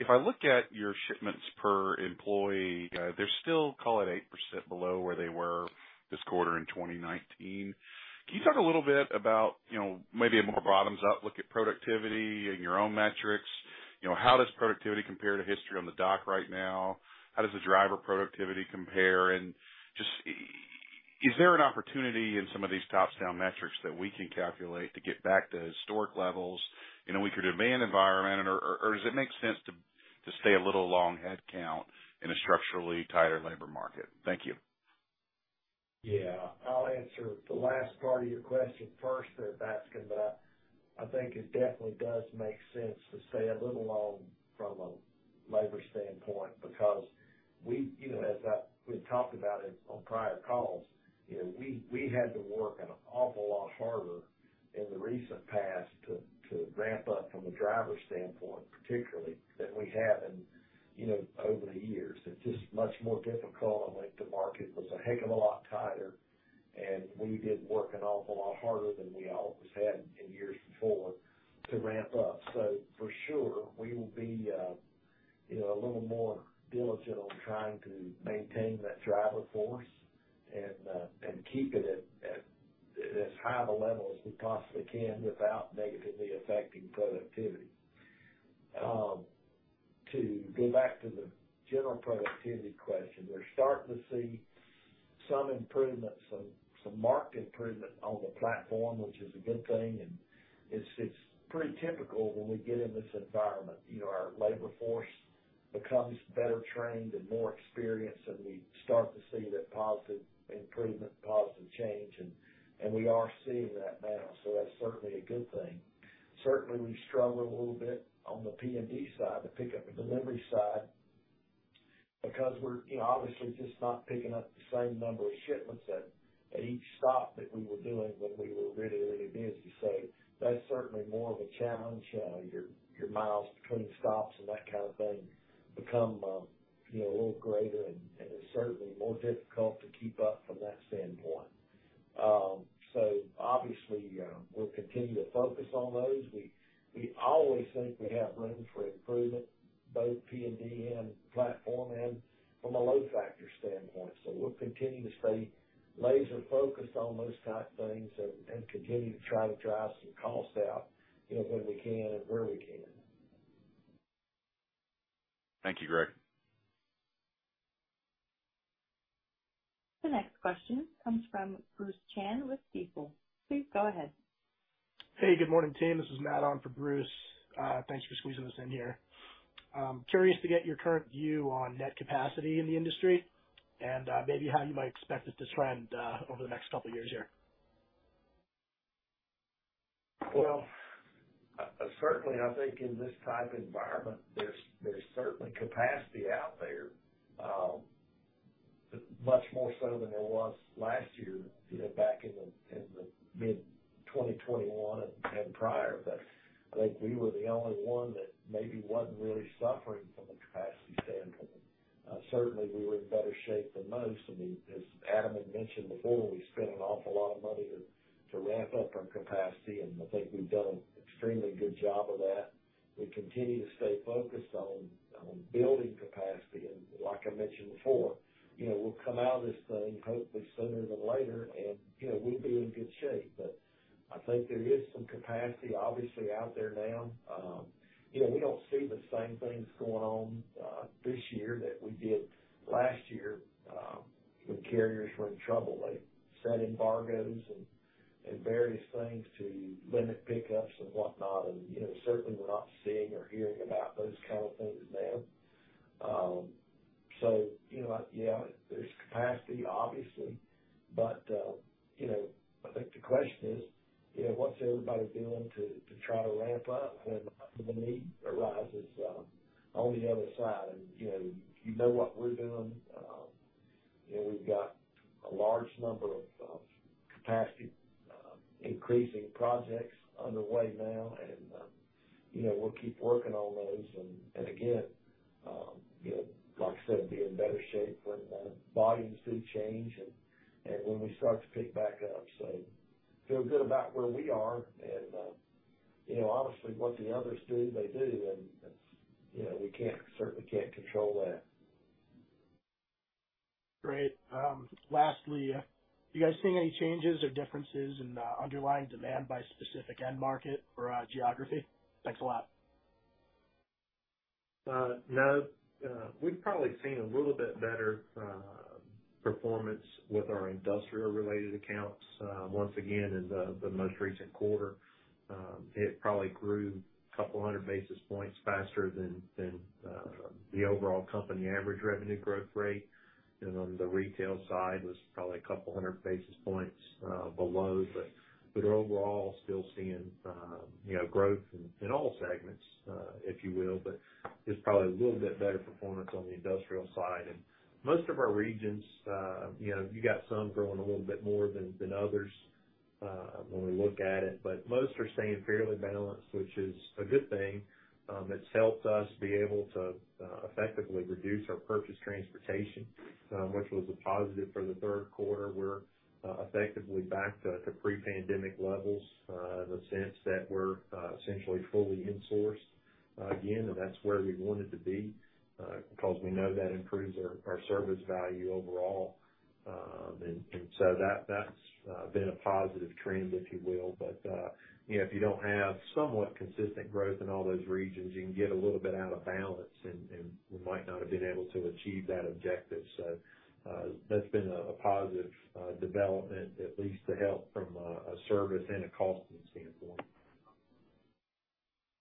if I look at your shipments per employee, they're still call it 8% below where they were this quarter in 2019. Can you talk a little bit about, you know, maybe a more bottoms up look at productivity in your own metrics? You know, how does productivity compare to history on the dock right now? How does the driver productivity compare? And just is there an opportunity in some of these top-down metrics that we can calculate to get back to historic levels in a weaker demand environment? Or does it make sense to stay a little long headcount in a structurally tighter labor market? Thank you. Yeah. I'll answer the last part of your question first there, Bascome. I think it definitely does make sense to stay a little long from a labor standpoint because we. You know, we've talked about it on prior calls, you know, we had to work an awful lot harder in the recent past to ramp up from a driver standpoint, particularly than we have in, you know, over the years. It's just much more difficult. Length of market was a heck of a lot tighter, and we did work an awful lot harder than we always had in years before to ramp up. For sure, we will be, you know, a little more diligent on trying to maintain that driver force and keep it at as high of a level as we possibly can without negatively affecting productivity. To go back to the general productivity question, we're starting to see some improvement, some marked improvement on the platform, which is a good thing, and it's pretty typical when we get in this environment. You know, our labor force becomes better trained and more experienced, and we start to see that positive improvement, positive change. We are seeing that now, so that's certainly a good thing. Certainly, we struggle a little bit on the P&D side, the pickup and delivery side, because we're, you know, obviously just not picking up the same number of shipments at each stop that we were doing when we were really, really busy. That's certainly more of a challenge. Your miles between stops and that kind of thing become, you know, a little greater and it's certainly more difficult to keep up from that standpoint. Obviously, we'll continue to focus on those. We always think we have room for improvement, both P&D and platform and from a load factor standpoint. We'll continue to stay laser focused on those type things and continue to try to drive some cost out, you know, when we can and where we can. Thank you, Greg. The next question comes from Bruce Chan with Stifel. Please go ahead. Hey, good morning, team. This is Matt on for Bruce. Thanks for squeezing us in here. Curious to get your current view on net capacity in the industry and, maybe how you might expect it to trend, over the next couple years here. Certainly I think in this type environment there's certainly capacity out there, much more so than there was last year, you know, back in the mid-2021 and prior. I think we were the only one that maybe wasn't really suffering from a capacity standpoint. Certainly we were in better shape than most. I mean, as Adam had mentioned before, we spent an awful lot of money to ramp up our capacity, and I think we've done an extremely good job of that. We continue to stay focused on building capacity. Like I mentioned before, you know, we'll come out of this thing hopefully sooner than later and, you know, we'll be in good shape. I think there is some capacity obviously out there now. You know, we don't see the same things going on this year that we did last year when carriers were in trouble. They set embargoes and various things to limit pickups and whatnot. You know, certainly we're not seeing or hearing about those kind of things now. So, you know, yeah, there's capacity obviously, but you know, I think the question is, you know, what's everybody doing to try to ramp up when the need arises on the other side? You know, you know what we're doing. You know, we've got a large number of capacity increasing projects underway now, and you know, we'll keep working on those and again, you know, like I said, be in better shape when volumes do change and when we start to pick back up. Feel good about where we are and you know, obviously, what the others do, they do, and that's, you know, we certainly can't control that. Great. Lastly, are you guys seeing any changes or differences in the underlying demand by specific end market or, geography? Thanks a lot. No. We've probably seen a little bit better performance with our industrial-related accounts. Once again, in the most recent quarter, it probably grew 200 basis points faster than the overall company average revenue growth rate. You know, the retail side was probably 200 basis points below, but overall still seeing, you know, growth in all segments, if you will. It's probably a little bit better performance on the industrial side. Most of our regions, you know, you got some growing a little bit more than others when we look at it, but most are staying fairly balanced, which is a good thing, that's helped us be able to effectively reduce our purchased transportation, which was a positive for the third quarter. We're effectively back to pre-pandemic levels in the sense that we're essentially fully insourced again. That's where we wanted to be 'cause we know that improves our service value overall. That's been a positive trend, if you will. You know, if you don't have somewhat consistent growth in all those regions, you can get a little bit out of balance, and we might not have been able to achieve that objective. That's been a positive development, at least to help from a service and costing standpoint.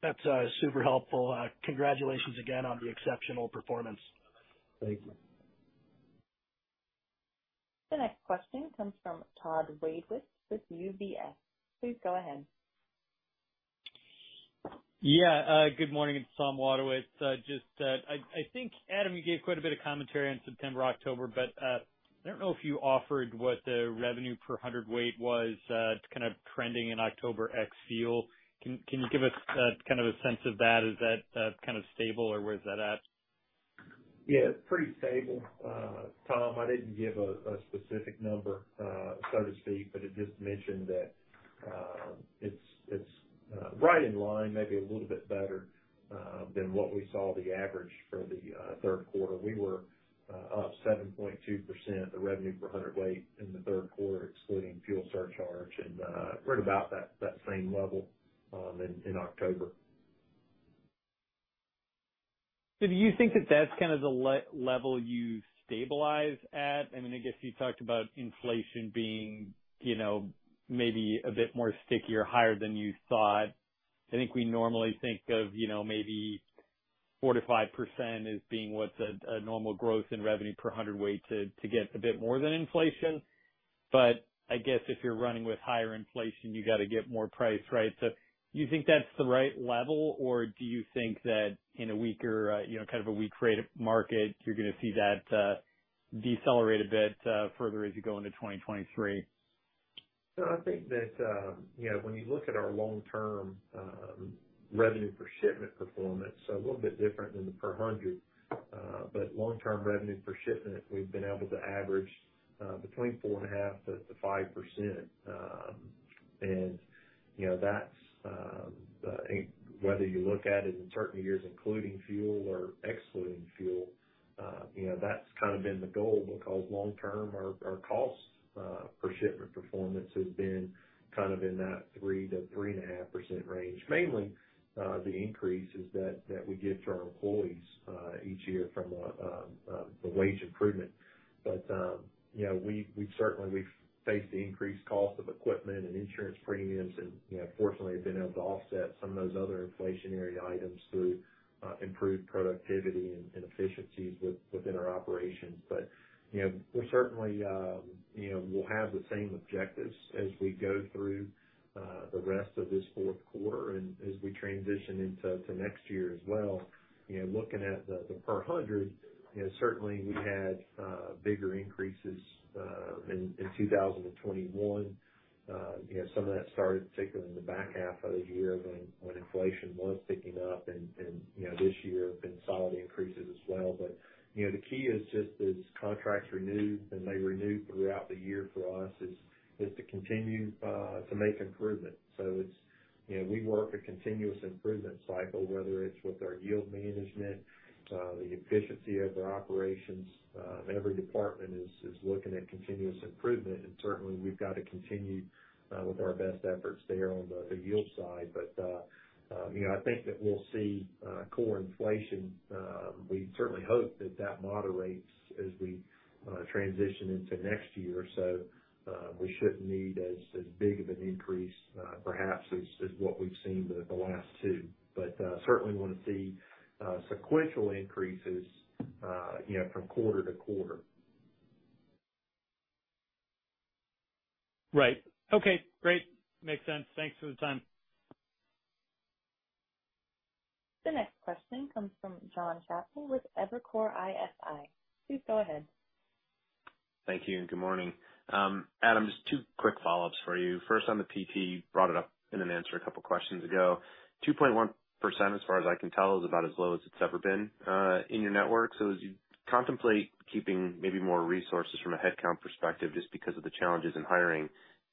That's super helpful. Congratulations again on the exceptional performance. Thank you. The next question comes from Tom Wadewitz with UBS. Please go ahead. Yeah. Good morning. It's Tom Wadewitz. Just, I think, Adam, you gave quite a bit of commentary on September, October, but I don't know if you offered what the revenue per hundredweight was. It's kind of trending in October ex-fuel. Can you give us kind of a sense of that? Is that kind of stable or where is that at? Yeah, pretty stable. Tom, I didn't give a specific number, so to speak, but I just mentioned that it's right in line, maybe a little bit better than what we saw the average for the third quarter. We were up 7.2%, the revenue per hundredweight in the third quarter, excluding fuel surcharge and right about that same level in October. Do you think that that's kind of the level you stabilize at? I mean, I guess you talked about inflation being, you know, maybe a bit more stickier, higher than you thought. I think we normally think of, you know, maybe 4%-5% as being what's a normal growth in revenue per hundredweight to get a bit more than inflation. But I guess if you're running with higher inflation, you gotta get more price, right? Do you think that's the right level, or do you think that in a weaker, you know, kind of a weak rate market, you're gonna see that decelerate a bit further as you go into 2023? I think that, you know, when you look at our long-term revenue per shipment performance, a little bit different than the per hundredweight. But long-term revenue per shipment, we've been able to average between 4.5%-5%. And, you know, that's whether you look at it in certain years including fuel or excluding fuel, you know, that's kind of been the goal because long-term our costs for shipment performance has been kind of in that 3%-3.5% range. Mainly the increase is that we give to our employees each year from a wage improvement. You know, we've certainly faced the increased cost of equipment and insurance premiums and, you know, fortunately have been able to offset some of those other inflationary items through improved productivity and efficiencies within our operations. You know, we're certainly, you know, we'll have the same objectives as we go through the rest of this fourth quarter and as we transition into next year as well. You know, looking at the per hundred, you know, certainly we had bigger increases in 2021. You know, some of that started particularly in the back half of the year when inflation was picking up and, you know, this year been solid increases as well. You know, the key is just as contracts renew and they renew throughout the year for us is to continue to make improvement. It's, you know, we work a continuous improvement cycle, whether it's with our yield management, the efficiency of our operations. Every department is looking at continuous improvement, and certainly we've got to continue with our best efforts there on the yield side. You know, I think that we'll see core inflation. We certainly hope that moderates as we transition into next year. We shouldn't need as big of an increase, perhaps as what we've seen the last two. Certainly want to see sequential increases, you know, from quarter-to-quarter. Right. Okay, great. Makes sense. Thanks for the time. The next question comes from Jonathan Chappell with Evercore ISI. Please go ahead. Thank you, and good morning. Adam, just two quick follow-ups for you. First, on the PT, you brought it up in an answer a couple questions ago. 2.1%, as far as I can tell, is about as low as it's ever been in your network. As you contemplate keeping maybe more resources from a headcount perspective just because of the challenges in hiring,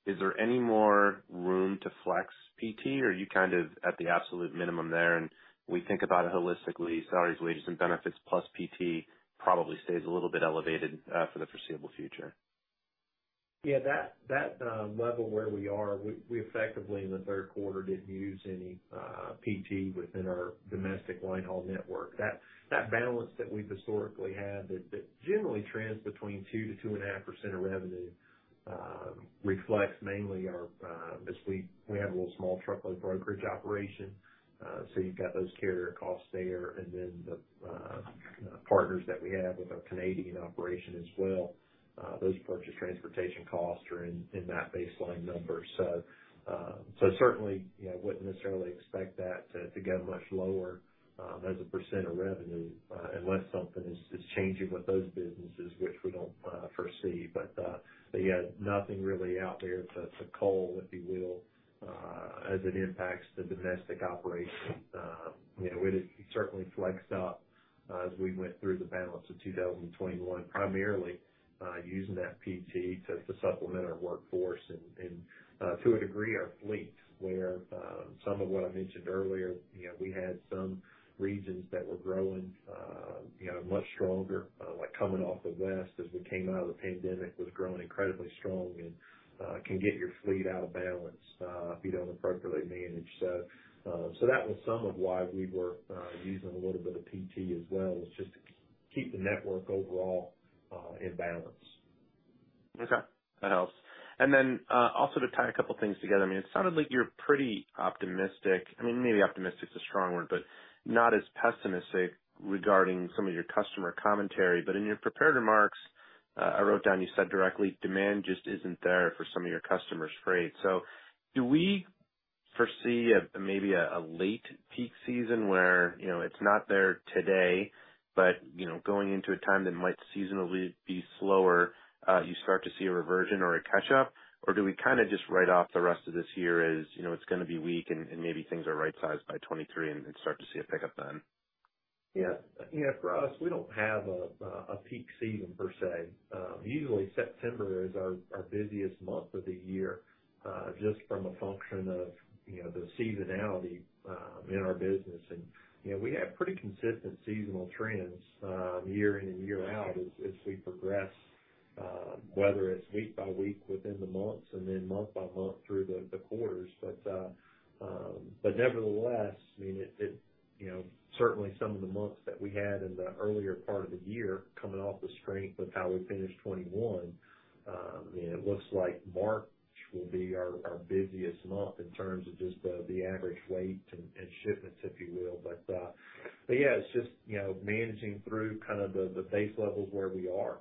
is there any more room to flex PT, or are you kind of at the absolute minimum there, and when we think about it holistically, salaries, wages, and benefits plus PT probably stays a little bit elevated for the foreseeable future? That level where we are. We effectively in the third quarter didn't use any PT within our domestic line haul network. That balance that we've historically had that generally trends between 2%-2.5% of revenue reflects mainly our, as we have a little small truckload brokerage operation, so you've got those carrier costs there, and then the partners that we have with our Canadian operation as well, those purchase transportation costs are in that baseline number. Certainly, you know, wouldn't necessarily expect that to go much lower as a percentage of revenue unless something is changing with those businesses which we don't foresee. Yeah, nothing really out there to cull, if you will, as it impacts the domestic operation. You know, it certainly flexed up as we went through the balance of 2021, primarily using that PT to supplement our workforce and to a degree our fleet where some of what I mentioned earlier, you know, we had some regions that were growing, you know, much stronger, like coming off the West as we came out of the pandemic, was growing incredibly strong and can get your fleet out of balance if you don't appropriately manage. That was some of why we were using a little bit of PT as well, was just to keep the network overall in balance. Okay. That helps. To tie a couple things together, I mean, it sounded like you're pretty optimistic. I mean, maybe optimistic is a strong word, but not as pessimistic regarding some of your customer commentary. But in your prepared remarks, I wrote down, you said directly, "Demand just isn't there for some of your customers' freight." Do we foresee a late peak season where, you know, it's not there today, but, you know, going into a time that might seasonally be slower, you start to see a reversion or a catch-up? Or do we kinda just write off the rest of this year as, you know, it's gonna be weak and maybe things are right sized by 2023 and start to see a pickup then? Yeah. Yeah, for us, we don't have a peak season per se. Usually September is our busiest month of the year, just from a function of, you know, the seasonality in our business. You know, we have pretty consistent seasonal trends, year in and year out as we progress, whether it's week by week within the months and then month by month through the quarters. Nevertheless, I mean, it you know, certainly some of the months that we had in the earlier part of the year coming off the strength of how we finished 2021, you know, it looks like March will be our busiest month in terms of just the average weight and shipments, if you will. Yeah, it's just, you know, managing through kind of the base levels where we are.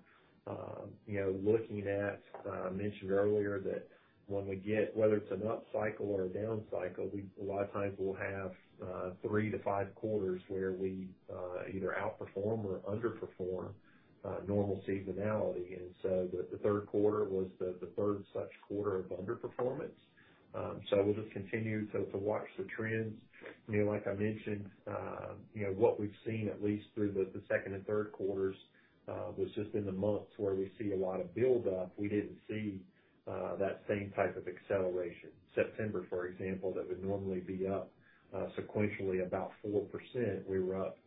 You know, looking at, I mentioned earlier that when we get, whether it's an up cycle or a down cycle, we, a lot of times we'll have, three to five quarters where we, either outperform or underperform normal seasonality. The third quarter was the third such quarter of underperformance. We'll just continue to watch the trends. You know, like I mentioned, you know, what we've seen at least through the second and third quarters was just in the months where we see a lot of buildup, we didn't see that same type of acceleration. September, for example, that would normally be up sequentially about 4%, we were up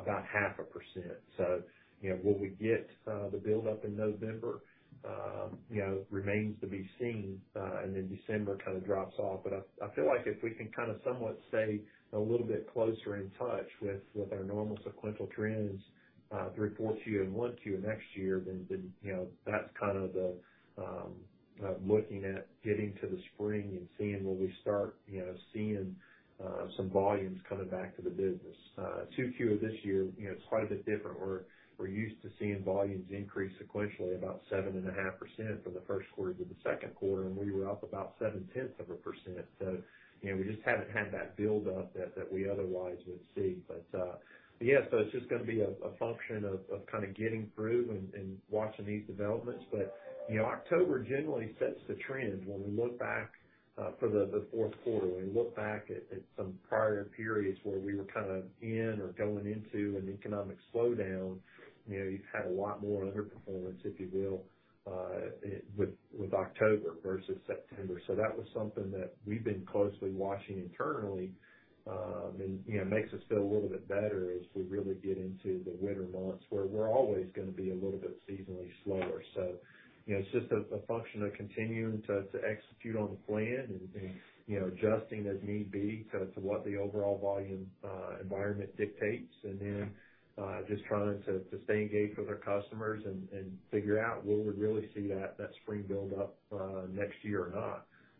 about half a percent. You know, will we get the buildup in November? You know, remains to be seen. Then December kind of drops off. I feel like if we can kind of somewhat stay a little bit closer in touch with our normal sequential trends through 4Q and 1Q of next year, then you know, that's kind of the looking at getting to the spring and seeing will we start you know seeing some volumes coming back to the business. 2Q of this year, you know, it's quite a bit different. We're used to seeing volumes increase sequentially about 7.5% from the first quarter to the second quarter, and we were up about 0.7%. You know, we just haven't had that buildup that we otherwise would see. Yeah, it's just gonna be a function of kind of getting through and watching these developments. You know, October generally sets the trend. When we look back for the fourth quarter, when we look back at some prior periods where we were kind of in or going into an economic slowdown, you know, you had a lot more underperformance, if you will, with October versus September. That was something that we've been closely watching internally, and you know, makes us feel a little bit better as we really get into the winter months where we're always gonna be a little bit seasonally slower. You know, it's just a function of continuing to execute on the plan and, you know, adjusting as need be to what the overall volume environment dictates. Then, just trying to stay engaged with our customers and figure out will we really see that spring buildup next year or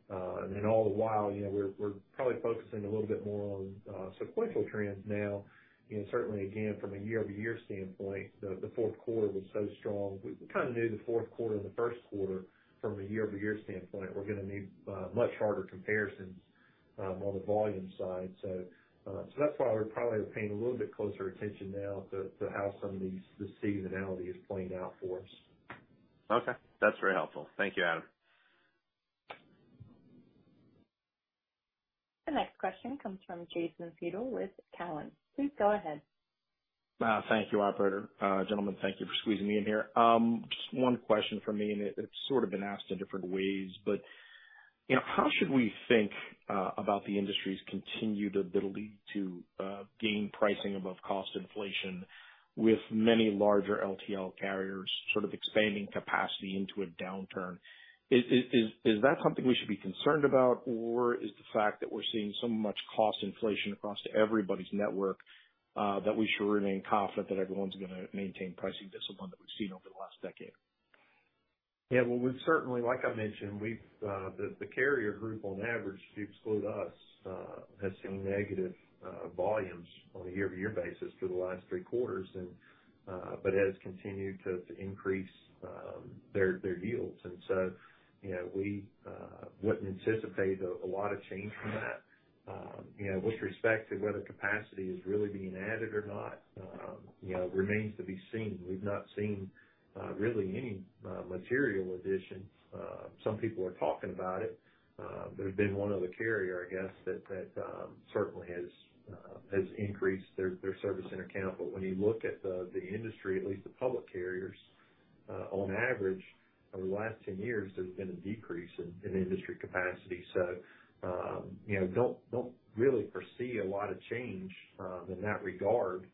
not. Then all the while, you know, we're probably focusing a little bit more on sequential trends now. You know, certainly, again, from a year-over-year standpoint, the fourth quarter was so strong. We kinda knew the fourth quarter and the first quarter from a year-over-year standpoint were gonna be much harder comparisons on the volume side. That's why we're probably paying a little bit closer attention now to how some of these, the seasonality is playing out for us. Okay. That's very helpful. Thank you, Adam. The next question comes from Jason Seidl with Cowen. Please go ahead. Thank you, operator. Gentlemen, thank you for squeezing me in here. Just one question from me, and it's sort of been asked in different ways, but, you know, how should we think about the industry's continued ability to gain pricing above cost inflation with many larger LTL carriers sort of expanding capacity into a downturn? Is that something we should be concerned about? Or is the fact that we're seeing so much cost inflation across everybody's network that we should remain confident that everyone's gonna maintain pricing discipline that we've seen over the last decade? Yeah. Well, we certainly, like I mentioned, we've the carrier group on average, if you exclude us, has seen negative volumes on a year-over-year basis for the last three quarters and but has continued to increase their yields. You know, we wouldn't anticipate a lot of change from that. You know, with respect to whether capacity is really being added or not, you know, remains to be seen. We've not seen really any material addition. Some people are talking about it. There's been one other carrier, I guess, that certainly has increased their service and account. When you look at the industry, at least the public carriers, on average over the last 10 years, there's been a decrease in industry capacity. You know, don't really foresee a lot of change in that regard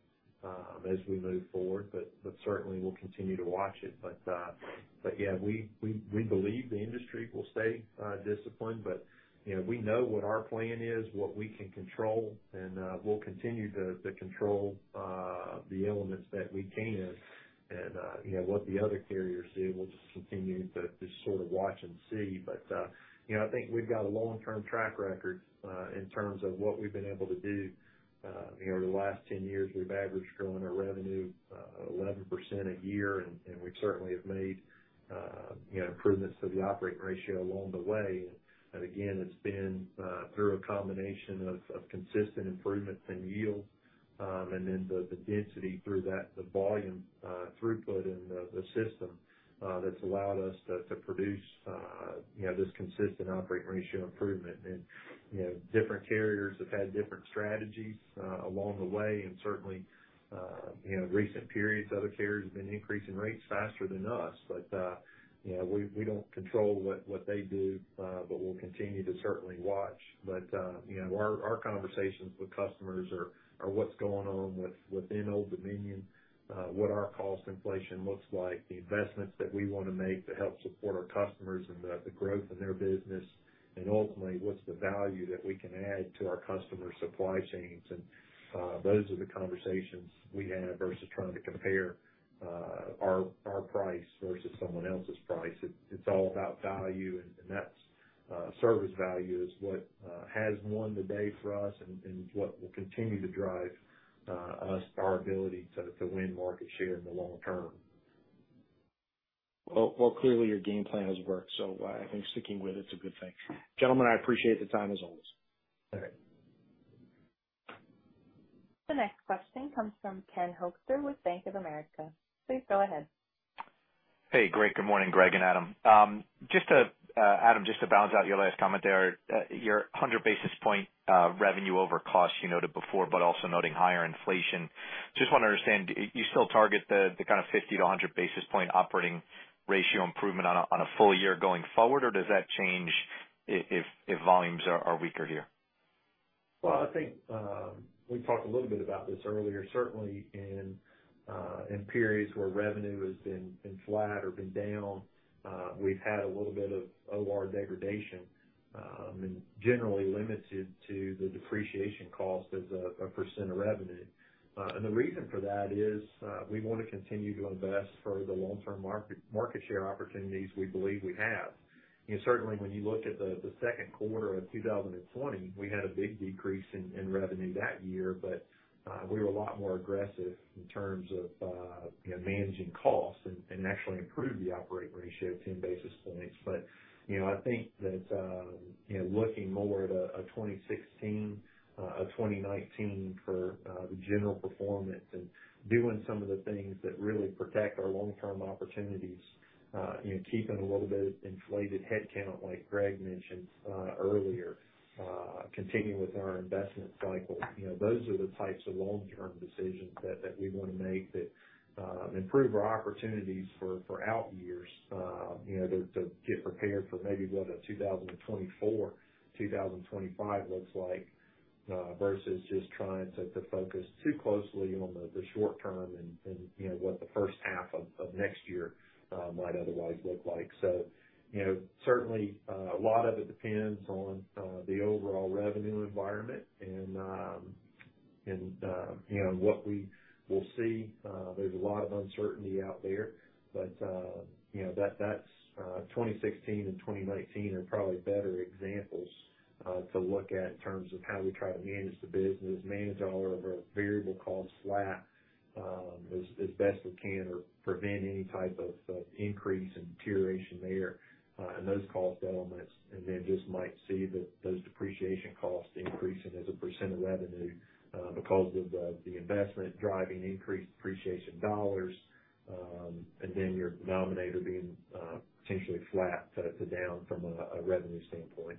as we move forward, but certainly we'll continue to watch it. Yeah, we believe the industry will stay disciplined. You know, we know what our plan is, what we can control, and we'll continue to control the elements that we can. You know, what the other carriers do, we'll just continue to just sort of watch and see. You know, I think we've got a long-term track record in terms of what we've been able to do. You know, over the last 10 years, we've averaged growing our revenue 11% a year, and we certainly have made improvements to the operating ratio along the way. Again, it's been through a combination of consistent improvements in yield, and then the density through that, the volume throughput in the system, that's allowed us to produce, you know, this consistent operating ratio improvement. You know, different carriers have had different strategies along the way, and certainly, you know, recent periods, other carriers have been increasing rates faster than us. You know, we don't control what they do, but we'll continue to certainly watch. You know, our conversations with customers are what's going on within Old Dominion, what our cost inflation looks like, the investments that we wanna make to help support our customers and the growth in their business, and ultimately, what's the value that we can add to our customers' supply chains. Those are the conversations we have versus trying to compare our price versus someone else's price. It's all about value and that's service value is what has won the day for us and what will continue to drive our ability to win market share in the long-term. Well clearly your game plan has worked, so, I think sticking with it's a good thing. Gentlemen, I appreciate the time as always. All right. The next question comes from Ken Hoexter with Bank of America. Please go ahead. Hey, great. Good morning, Greg and Adam. Just to Adam, just to balance out your last comment there, your 100 basis point revenue over cost you noted before, but also noting higher inflation. Just wanna understand, you still target the kind of 50 to 100 basis point operating ratio improvement on a full year going forward, or does that change if volumes are weaker here? Well, I think we talked a little bit about this earlier. Certainly in periods where revenue has been flat or down, we've had a little bit of OR degradation, and generally limited to the depreciation cost as a percentage of revenue. The reason for that is we want to continue to invest for the long-term market share opportunities we believe we have. You know, certainly when you look at the second quarter of 2020, we had a big decrease in revenue that year, but we were a lot more aggressive in terms of, you know, managing costs and actually improved the operating ratio 10 basis points. You know, I think that you know, looking more at a 2016, a 2019 for the general performance and doing some of the things that really protect our long-term opportunities, you know, keeping a little bit of inflated headcount like Greg mentioned earlier, continuing with our investment cycle. You know, those are the types of long-term decisions that we wanna make that improve our opportunities for out years, you know, to get prepared for maybe what a 2024, 2025 looks like, versus just trying to focus too closely on the short term and you know, what the first half of next year might otherwise look like. You know, certainly, a lot of it depends on the overall revenue environment and you know, what we will see. There's a lot of uncertainty out there. You know, that's 2016 and 2019 are probably better examples to look at in terms of how we try to manage the business, manage all of our variable costs flat, as best we can or prevent any type of increase in deterioration there, and those cost elements, and then just might see that those depreciation costs increasing as a percent of revenue, because of the investment driving increased depreciation dollars, and then your denominator being potentially flat to down from a revenue standpoint.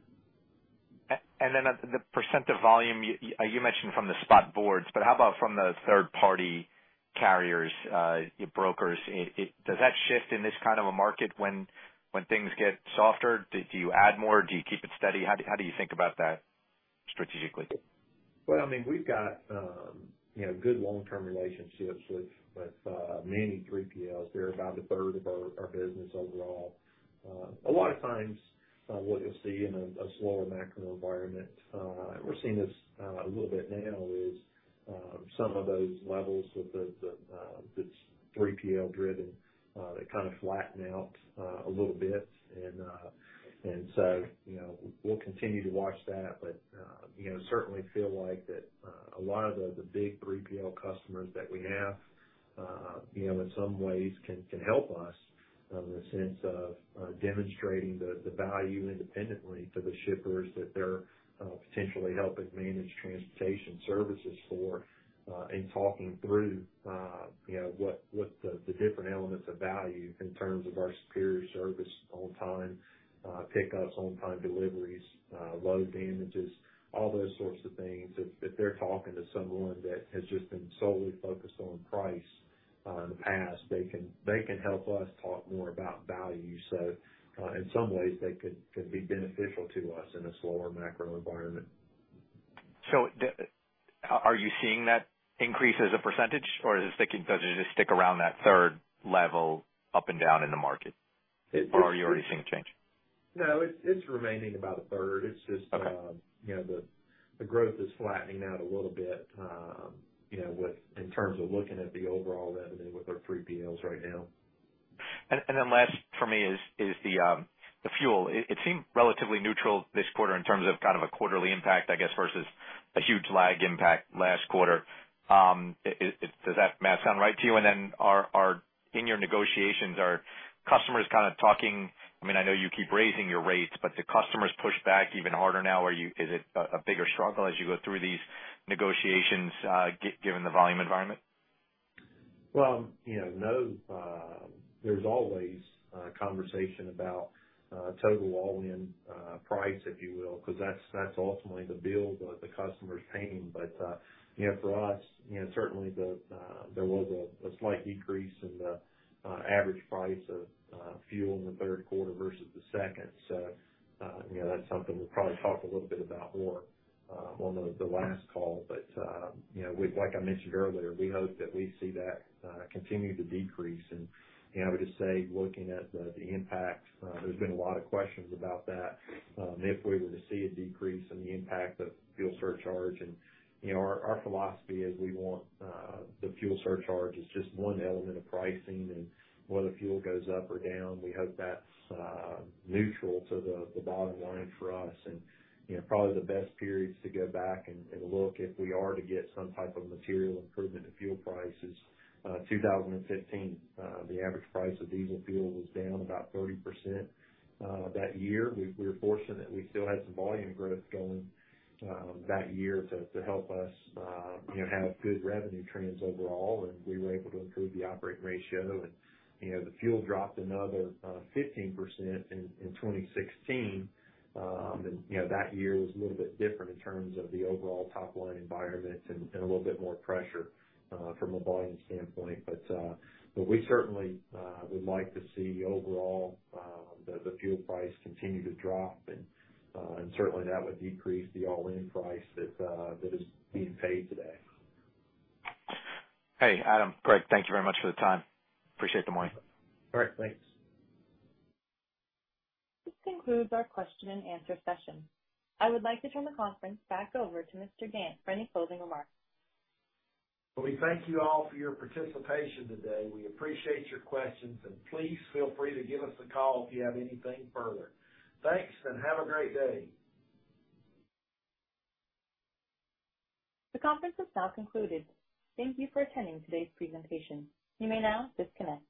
Then at the percent of volume you mentioned from the spot boards, but how about from the third-party carriers, your brokers? Does that shift in this kind of a market when things get softer? Do you add more? Do you keep it steady? How do you think about that strategically? Well, I mean, we've got, you know, good long-term relationships with many 3PLs. They're about a third of our business overall. A lot of times, what you'll see in a slower macro environment, we're seeing this a little bit now is some of those levels of the 3PL-driven, they kinda flatten out a little bit. You know, we'll continue to watch that. You know, certainly feel like that a lot of the big 3PL customers that we have, you know, in some ways can help us in the sense of demonstrating the value independently to the shippers that they're potentially helping manage transportation services for, in talking through, you know, what the different elements of value in terms of our superior service, on-time pickups, on-time deliveries, low damages, all those sorts of things. If they're talking to someone that has just been solely focused on price in the past, they can help us talk more about value. In some ways, they could be beneficial to us in a slower macro environment. Are you seeing that increase as a percentage or does it just stick around that third level up and down in the market? Are you already seeing a change? No, it's remaining about a third. It's just, Okay. You know, the growth is flattening out a little bit, you know, with in terms of looking at the overall revenue with our 3PLs right now. Last for me is the fuel. It seemed relatively neutral this quarter in terms of kind of a quarterly impact, I guess, versus a huge lag impact last quarter. Does that math sound right to you? In your negotiations, are customers kinda talking? I mean, I know you keep raising your rates, but do customers push back even harder now? Is it a bigger struggle as you go through these negotiations, given the volume environment? Well, you know, no. There's always a conversation about total all-in price, if you will, 'cause that's ultimately the bill the customer's paying. You know, for us, you know, certainly there was a slight decrease in the average price of fuel in the third quarter versus the second. You know, that's something we'll probably talk a little bit about more on the last call. You know, with like I mentioned earlier, we hope that we see that continue to decrease. You know, I would just say, looking at the impact, there's been a lot of questions about that if we were to see a decrease in the impact of fuel surcharge. You know, our philosophy is we want the fuel surcharge as just one element of pricing and whether fuel goes up or down, we hope that's neutral to the bottom line for us. You know, probably the best periods to go back and look if we are to get some type of material improvement in fuel prices, 2015, the average price of diesel fuel was down about 30%, that year. We were fortunate we still had some volume growth going that year to help us, you know, have good revenue trends overall, and we were able to improve the operating ratio. You know, the fuel dropped another 15% in 2016. You know, that year was a little bit different in terms of the overall top line environment and a little bit more pressure from a volume standpoint. We certainly would like to see overall the fuel price continue to drop and certainly that would decrease the all-in price that is being paid today. Hey, Adam. Greg, thank you very much for the time. Appreciate the morning. All right, thanks. This concludes our question and answer session. I would like to turn the conference back over to Mr. Gantt for any closing remarks. Well, we thank you all for your participation today. We appreciate your questions, and please feel free to give us a call if you have anything further. Thanks, and have a great day. The conference has now concluded. Thank you for attending today's presentation. You may now disconnect.